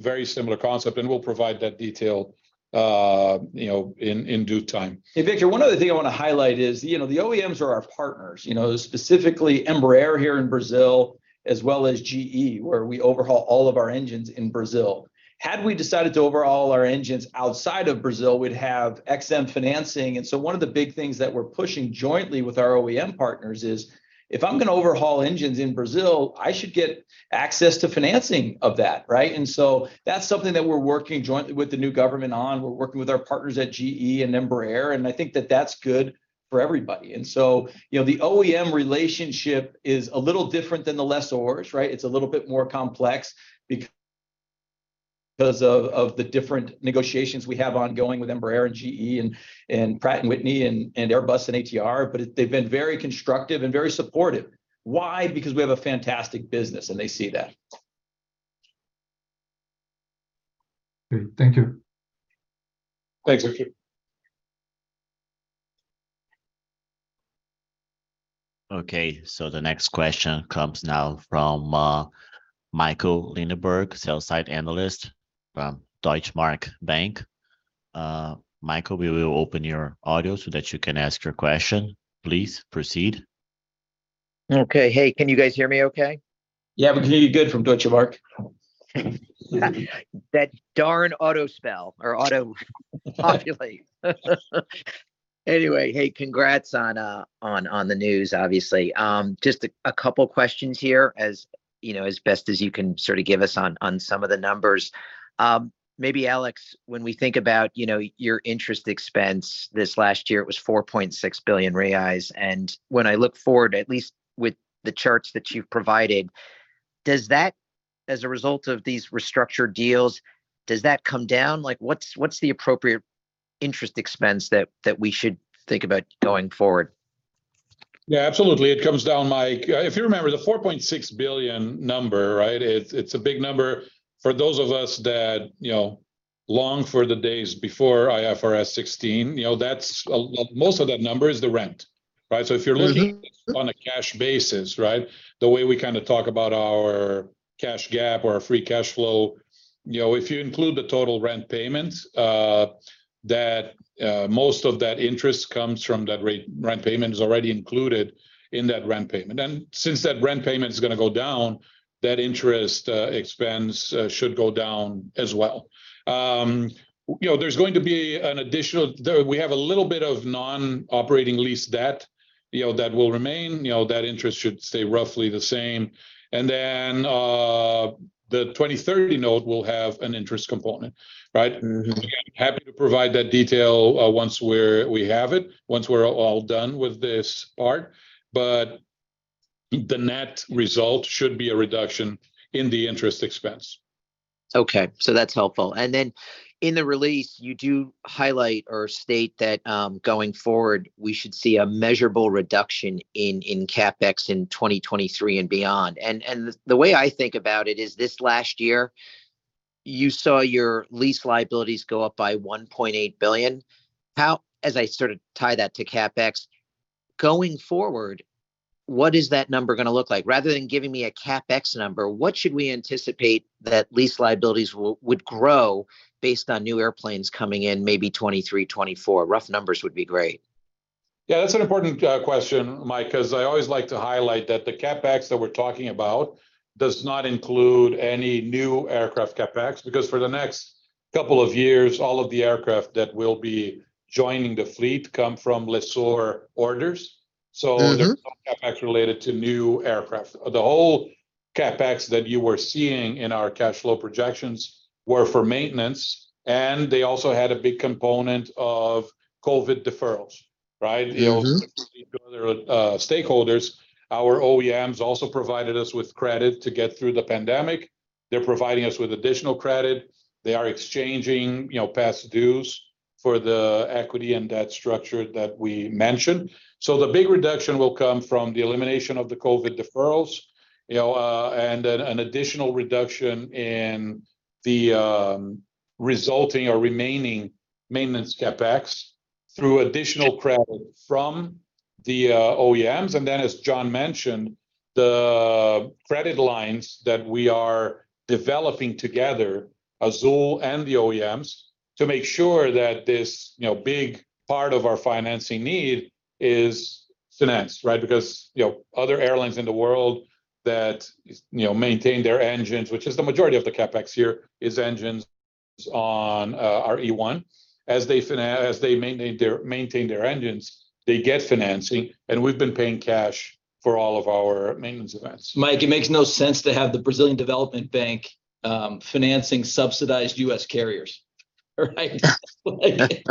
very similar concept, we'll provide that detail, you know, in due time. Hey, Victor, one other thing I wanna highlight is, you know, the OEMs are our partners. You know, specifically Embraer here in Brazil, as well as GE, where we overhaul all of our engines in Brazil. Had we decided to overhaul our engines outside of Brazil, we'd have EXIM financing. One of the big things that we're pushing jointly with our OEM partners is, if I'm gonna overhaul engines in Brazil, I should get access to financing of that, right? That's something that we're working jointly with the new government on. We're working with our partners at GE and Embraer, and I think that that's good for everybody. You know, the OEM relationship is a little different than the lessors, right? It's a little bit more complex because of the different negotiations we have ongoing with Embraer and GE and Pratt & Whitney and Airbus and ATR, but they've been very constructive and very supportive. Why? Because we have a fantastic business, and they see that. Great. Thank you. Thanks, Victor. Okay. The next question comes now from Michael Linenberg, sell-side analyst from Deutsche Bank. Michael, we will open your audio so that you can ask your question. Please proceed. Okay. Hey, can you guys hear me okay? Yeah, we can hear you good from Deutsche Bank. That darn auto-spell or auto-populate. Hey, congrats on the news obviously. Just a couple questions here as, you know, as best as you can sort of give us on some of the numbers. Maybe Alex, when we think about, you know, your interest expense this last year it was 4.6 billion reais. When I look forward at least with the charts that you've provided, does that, as a result of these restructured deals, does that come down? Like, what's the appropriate interest expense that we should think about going forward? Yeah, absolutely. It comes down, Mike, if you remember, the 4.6 billion number, right? It's a big number. For those of us that, you know, long for the days before IFRS 16, you know, most of that number is the rent, right? Mm-hmm on a cash basis, right? The way we kind of talk about our cash gap or our free cash flow, you know, if you include the total rent payments, that, most of that interest comes from that rent payment is already included in that rent payment. Since that rent payment is gonna go down, that interest expense should go down as well. You know, there's going to be an additional. We have a little bit of non-operating lease debt. You know, that will remain. You know, that interest should stay roughly the same. The 2030 note will have an interest component right? Mm-hmm. Happy to provide that detail, once we have it, once we're all done with this part the net result should be a reduction in the interest expense. Okay, that's helpful. In the release you do highlight or state that going forward we should see a measurable reduction in CapEx in 2023 and beyond. The way I think about it is this last year you saw your lease liabilities go up by $1.8 billion. As I sort of tie that to CapEx, going forward, what is that number going to look like? Rather than giving me a CapEx number, what should we anticipate that lease liabilities would grow based on new airplanes coming in maybe 2023, 2024? Rough numbers would be great. Yeah, that's an important question, Mike. I always like to highlight that the CapEx that we're talking about does not include any new aircraft CapEx. For the next couple of years all of the aircraft that will be joining the fleet come from lessor orders. Mm-hmm There's no CapEx related to new aircraft. The whole CapEx that you were seeing in our cash flow projections were for maintenance, and they also had a big component of COVID deferrals, right? Mm-hmm. You know, and our stakeholders, our OEMs also provided us with credit to get through the pandemic. They're providing us with additional credit, they are exchanging, you know, past dues for the equity and that structure that we mentioned. The big reduction will come from the elimination of the COVID deferrals, you know, and then an additional reduction in the resulting or remaining maintenance CapEx through additional credit from the OEMs. As John mentioned, the credit lines that we are developing together, Azul and the OEMs, to make sure that this, you know, big part of our financing need is financed, right? Because, you know, other airlines in the world that, you know, maintain their engines, which is the majority of the CapEx here is engines on our E195-E1. As they maintain their engines, they get financing, and we've been paying cash for all of our maintenance events. Mike, it makes no sense to have the Brazilian Development Bank, financing subsidized U.S. carriers, right? I hear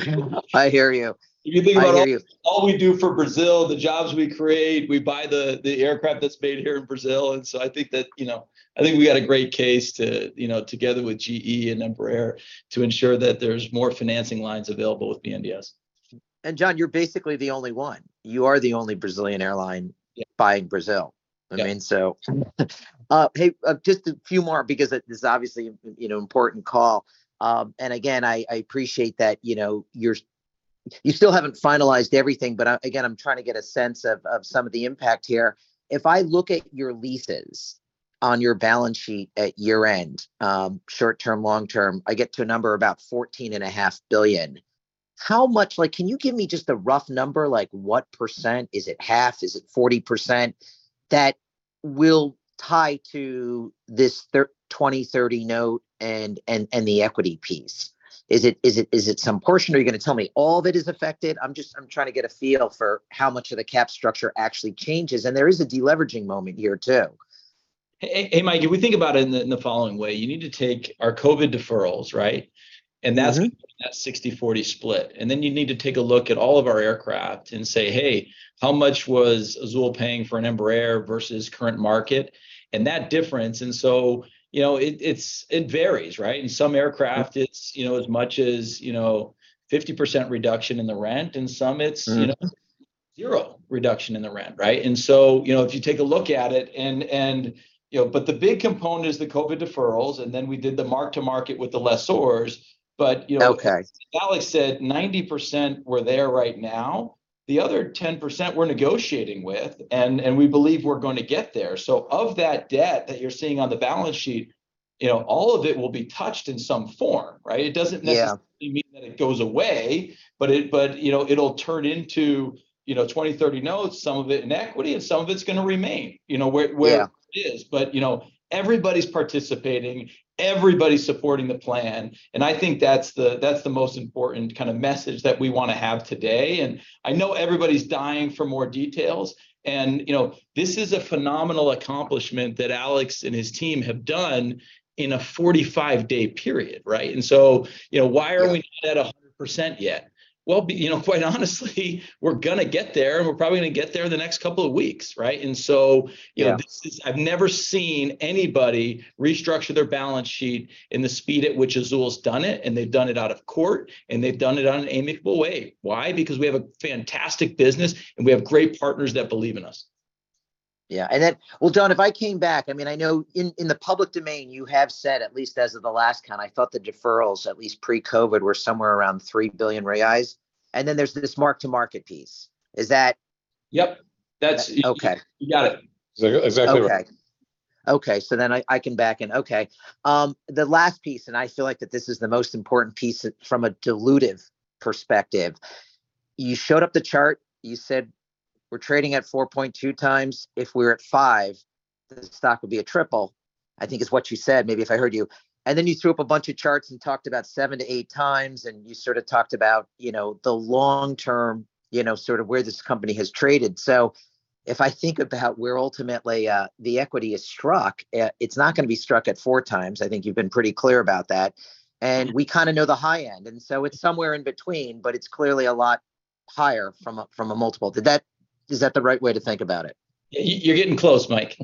you. I hear you. If you think about all we do for Brazil, the jobs we create, we buy the aircraft that's made here in Brazil. I think that, you know, I think we got a great case to, you know, together with GE and Embraer, to ensure that there's more financing lines available with BNDES. John, you're basically the only one. You are the only Brazilian airline- Yeah... flying Brazil. Yeah. I mean, hey, just a few more because this is obviously, you know, important call. Again, I appreciate that, you know, you're, you still haven't finalized everything, but I, again, I'm trying to get a sense of some of the impact here. If I look at your leases on your balance sheet at year-end, short-term, long-term, I get to a number about $14.5 billion. How much? Like, can you give me just a rough number like what percent? Is it half? Is it 40% that will tie to this 2030 note and the equity piece? Is it some portion, or are you gonna tell me all that is affected? I'm trying to get a feel for how much of the cap structure actually changes. There is a de-leveraging moment here too. Hey, Mike, if we think about it in the following way, you need to take our COVID deferrals, right? Mm-hmm. That's 60/40 split. You need to take a look at all of our aircraft and say, "Hey, how much was Azul paying for an Embraer versus current market," and that difference. You know, it varies, right? Yeah. In some aircraft it's, you know, as much as, you know, 50% reduction in the rent, in some it's. Mm-hmm... you know, zero reduction in the rent, right? You know, if you take a look at it and, you know... The big component is the COVID deferrals, and then we did the market to market with the lessors. You know- Okay Alex said 90% were there right now. The other 10% we're negotiating with, and we believe we're gonna get there. Of that debt that you're seeing on the balance sheet, you know, all of it will be touched in some form, right? It doesn't necessarily- Yeah... mean that it goes away, but it, you know, it'll turn into, you know, 2030 notes, some of it in equity, and some of it's gonna remain, you know, where. Yeah... it is. you know, everybody's participating, everybody's supporting the plan, and I think that's the, that's the most important kind of message that we wanna have today. I know everybody's dying for more details and, you know, this is a phenomenal accomplishment that Alex and his team have done in a 45-day period, right? you know. Yeah... why aren't we not at 100% yet? Well, you know, quite honestly, we're gonna get there, and we're probably gonna get there in the next couple of weeks, right? you know. Yeah... this is, I've never seen anybody restructure their balance sheet in the speed at which Azul's done it, and they've done it out of court, and they've done it on an amicable way. Why? Because we have a fantastic business, and we have great partners that believe in us. Yeah. Well, John, if I came back, I mean, I know in the public domain you have said, at least as of the last count, I thought the deferrals at least pre-COVID were somewhere around 3 billion reais, and then there's this market to market piece. Is that? Yep. Okay. You got it. It's exactly right. Okay. I can back in. Okay. The last piece, and I feel like that this is the most important piece at, from a dilutive perspective. You showed up the chart, you said, "We're trading at 4.2x. If we were at five, the stock would be at triple." I think is what you said, maybe if I heard you. Then you threw up a bunch of charts and talked about 7x-8x, and you sort of talked about, you know, the long-term, you know, sort of where this company has traded. If I think about where ultimately, the equity is struck, it's not gonna be struck at 4x, I think you've been pretty clear about that. Yeah. We kind of know the high end. It's somewhere in between, but it's clearly a lot higher from a, from a multiple. Is that the right way to think about it? Yeah, you're getting close, Mike.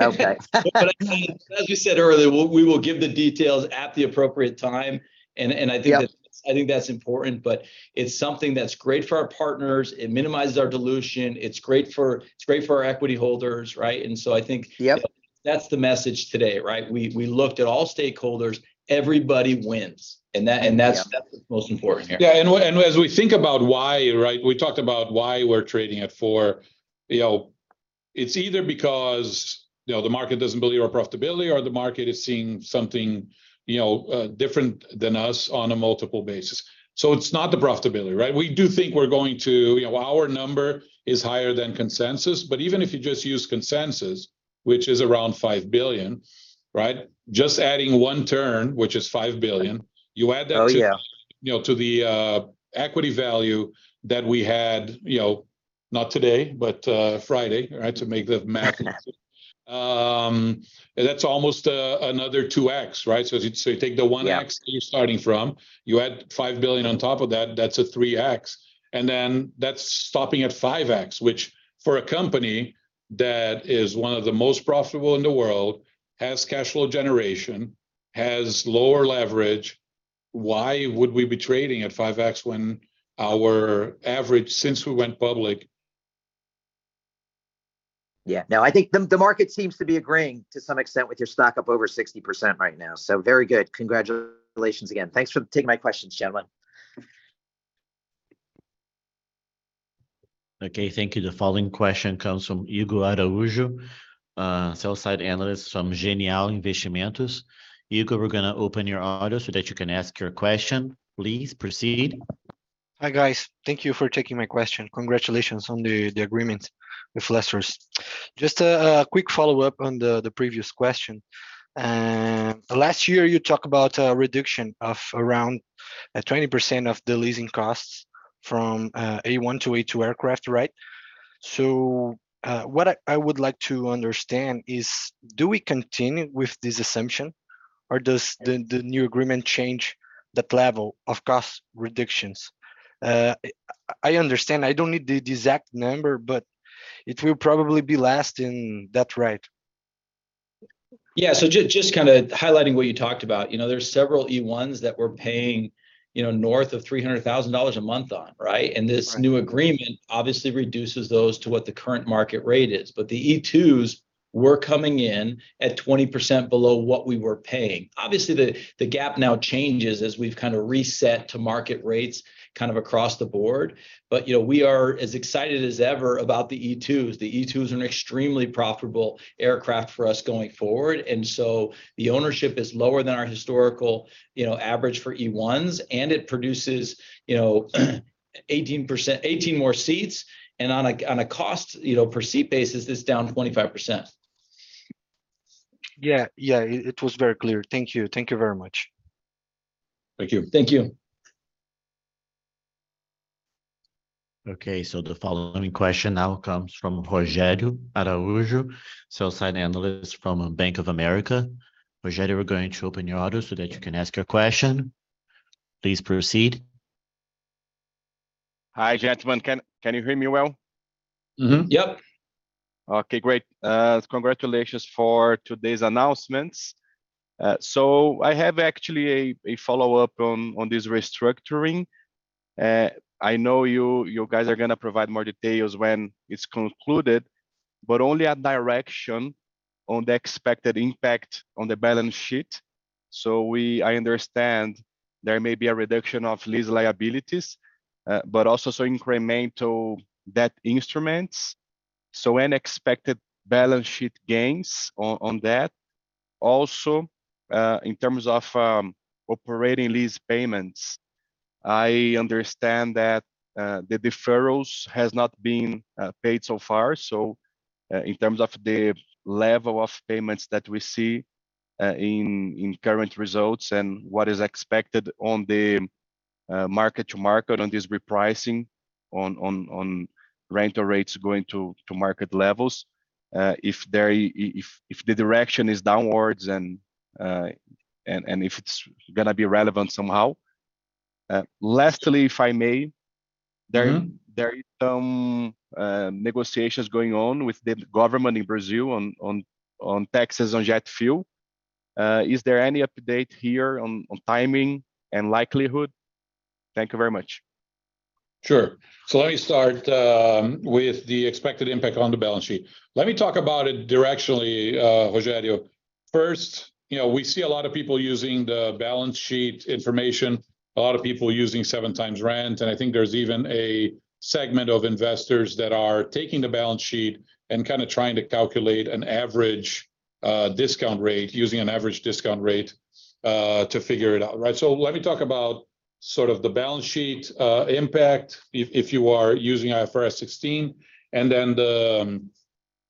Okay. I mean, as we said earlier, we'll, we will give the details at the appropriate time, and I think that- Yep I think that's important. It's something that's great for our partners, it minimizes our dilution, it's great for our equity holders, right? I think. Yep that's the message today, right? We looked at all stakeholders, everybody wins. Yeah That's what's most important here. Yeah, as we think about why, right, we talked about why we're trading at four. You know, it's either because, you know, the market doesn't believe our profitability, or the market is seeing something, you know, different than us on a multiple basis. It's not the profitability, right? We do think our number is higher than consensus, but even if you just use consensus, which is around $5 billion, right? Just adding one turn, which is $5 billion. Oh, yeah. ... you add that to, you know, to the equity value that we had, you know, not today, but Friday, right? To make the math... That's almost another 2X, right? You take the 1X... Yeah... that you're starting from, you add $5 billion on top of that's a 3x. That's stopping at 5x, which, for a company that is one of the most profitable in the world, has cash flow generation, has lower leverage, why would we be trading at 5x when our average since we went public... Yeah. No, I think the market seems to be agreeing to some extent with your stock up over 60% right now. Very good. Congratulations again. Thanks for taking my questions, gentlemen. Okay, thank you. The following question comes from Hugo Araujo, sell-side analyst from Genial Investimentos. Hugo, we're gonna open your audio so that you can ask your question. Please proceed. Hi, guys. Thank you for taking my question. Congratulations on the agreement with lessors. Just a quick follow-up on the previous question. Last year you talk about a reduction of around 20% of the leasing costs from A1 to A2 aircraft, right? What I would like to understand is, do we continue with this assumption, or does the new agreement change that level of cost reductions? I understand I don't need the exact number, but it will probably be less than that, right? Yeah. Just kinda highlighting what you talked about, you know, there's several E1s that we're paying, you know, north of $300,000 a month on, right? Right. This new agreement obviously reduces those to what the current market rate is. The E2s were coming in at 20% below what we were paying. Obviously, the gap now changes as we've kind of reset to market rates kind of across the board. You know, we are as excited as ever about the E2s. The E2s are an extremely profitable aircraft for us going forward, and so the ownership is lower than our historical, you know, average for E1s, and it produces, you know, 18 more seats. On a, on a cost, you know, per seat basis, it's down 25%. Yeah. Yeah. It was very clear. Thank you. Thank you very much. Thank you. Thank you. Okay, the following question now comes from Rogério Araújo, sell-side analyst from Bank of America. Rogério, we're going to open your audio so that you can ask your question. Please proceed. Hi, gentlemen. Can you hear me well? Mm-hmm. Yep. Okay, great. Congratulations for today's announcements. I have actually a follow-up on this restructuring. I know you guys are gonna provide more details when it's concluded, but only a direction on the expected impact on the balance sheet. I understand there may be a reduction of lease liabilities, but also some incremental debt instruments, so any expected balance sheet gains on that. In terms of operating lease payments, I understand that the deferrals has not been paid so far. In terms of the level of payments that we see in current results and what is expected on the market to market on this repricing on rental rates going to market levels, if there if the direction is downwards, and if it's going to be relevant somehow. Lastly, if I may. Mm-hmm... there is some negotiations going on with the government in Brazil on taxes on jet fuel. Is there any update here on timing and likelihood? Thank you very much. Sure. Let me start with the expected impact on the balance sheet. Let me talk about it directionally, Rogério. First, you know, we see a lot of people using the balance sheet information, a lot of people using seven times rent, and I think there's even a segment of investors that are taking the balance sheet and kind of trying to calculate an average discount rate, using an average discount rate to figure it out, right? Let me talk about sort of the balance sheet impact if you are using IFRS 16 and then the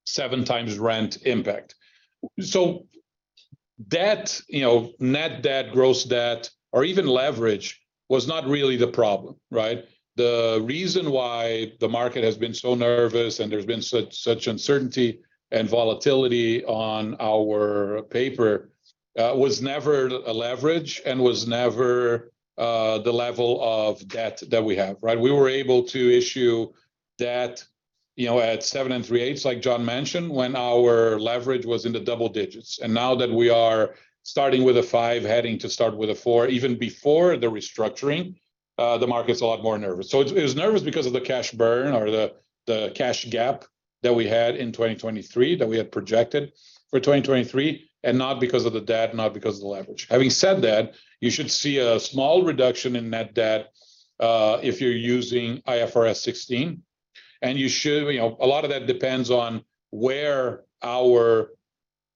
seven times rent impact. Net debt, gross debt, or even leverage was not really the problem, right? The reason why the market has been so nervous and there's been such uncertainty and volatility on our paper, was never a leverage and was never the level of debt that we have, right? We were able to issue debt, you know, at seven and three-eighths, like John mentioned, when our leverage was in the double digits. Now that we are starting with a five, heading to start with a four, even before the restructuring, the market's a lot more nervous. It was nervous because of the cash burn or the cash gap that we had in 2023, that we had projected for 2023, not because of the debt, not because of the leverage. Having said that, you should see a small reduction in net debt, if you're using IFRS 16. You know, a lot of that depends on where our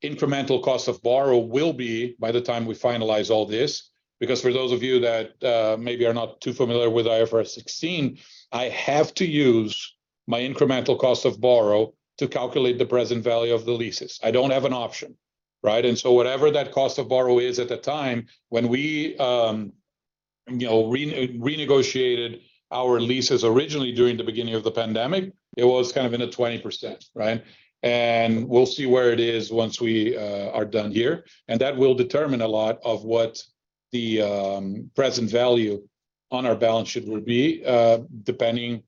incremental cost of borrow will be by the time we finalize all this. For those of you that maybe are not too familiar with IFRS 16, I have to use my incremental cost of borrow to calculate the present value of the leases. I don't have an option, right? Whatever that cost of borrow is at the time, when we, you know, renegotiated our leases originally during the beginning of the pandemic, it was kind of in the 20%, right? We'll see where it is once we are done here, and that will determine a lot of what the present value on our balance sheet will be, depending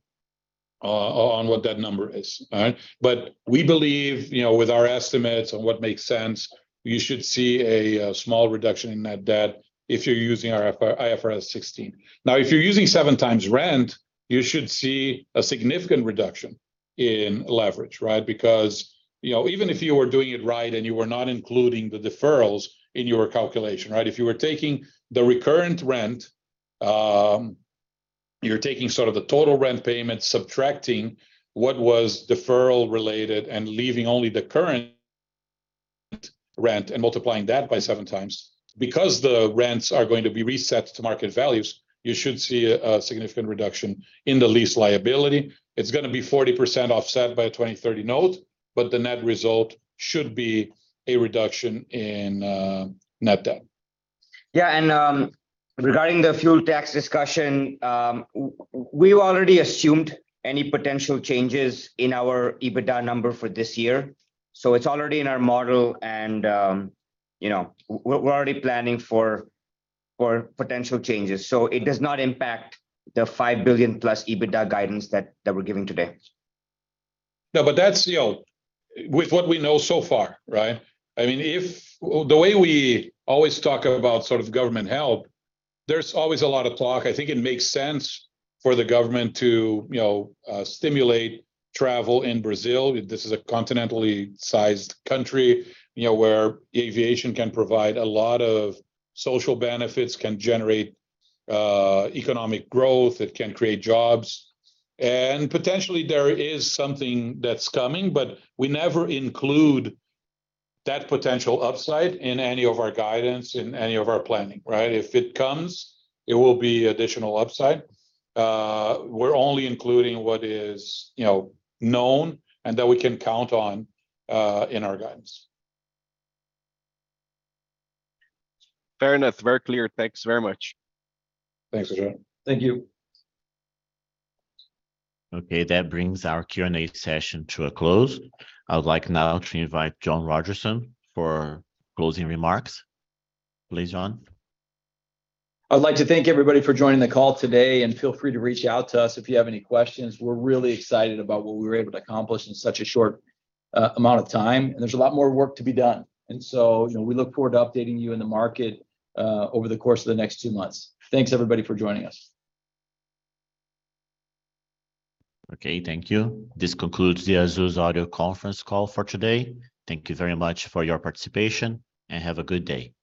on what that number is. All right? We believe, you know, with our estimates on what makes sense, you should see a small reduction in net debt if you're using IFRS 16. Now, if you're using seven times rent, you should see a significant reduction in leverage, right? You know, even if you were doing it right and you were not including the deferrals in your calculation, right? If you were taking the recurrent rent, you're taking sort of the total rent payment, subtracting what was deferral related, and leaving only the current rent, and multiplying that by seven times. The rents are going to be reset to market values, you should see a significant reduction in the lease liability. It's going to be 40% offset by a 2030 note, but the net result should be a reduction in net debt. Yeah. Regarding the fuel tax discussion, we already assumed any potential changes in our EBITDA number for this year. It's already in our model and, you know, we're already planning for potential changes. It does not impact the 5 billion+ EBITDA guidance that we're giving today. No, but that's, you know, with what we know so far, right? I mean, the way we always talk about sort of government help, there's always a lot of talk. I think it makes sense for the government to, you know, stimulate travel in Brazil. This is a continentally sized country, you know, where aviation can provide a lot of social benefits, can generate economic growth, it can create jobs. Potentially there is something that's coming, but we never include that potential upside in any of our guidance, in any of our planning, right? If it comes, it will be additional upside. We're only including what is, you know, known and that we can count on in our guidance. Fair enough. Very clear. Thanks very much. Thanks, Araújo. Thank you. Okay. That brings our Q&A session to a close. I would like now to invite John Rodgerson for closing remarks. Please, John. I'd like to thank everybody for joining the call today, and feel free to reach out to us if you have any questions. We're really excited about what we were able to accomplish in such a short amount of time, and there's a lot more work to be done. You know, we look forward to updating you in the market over the course of the next two months. Thanks everybody for joining us. Okay. Thank you. This concludes the Azul's audio conference call for today. Thank you very much for your participation, and have a good day.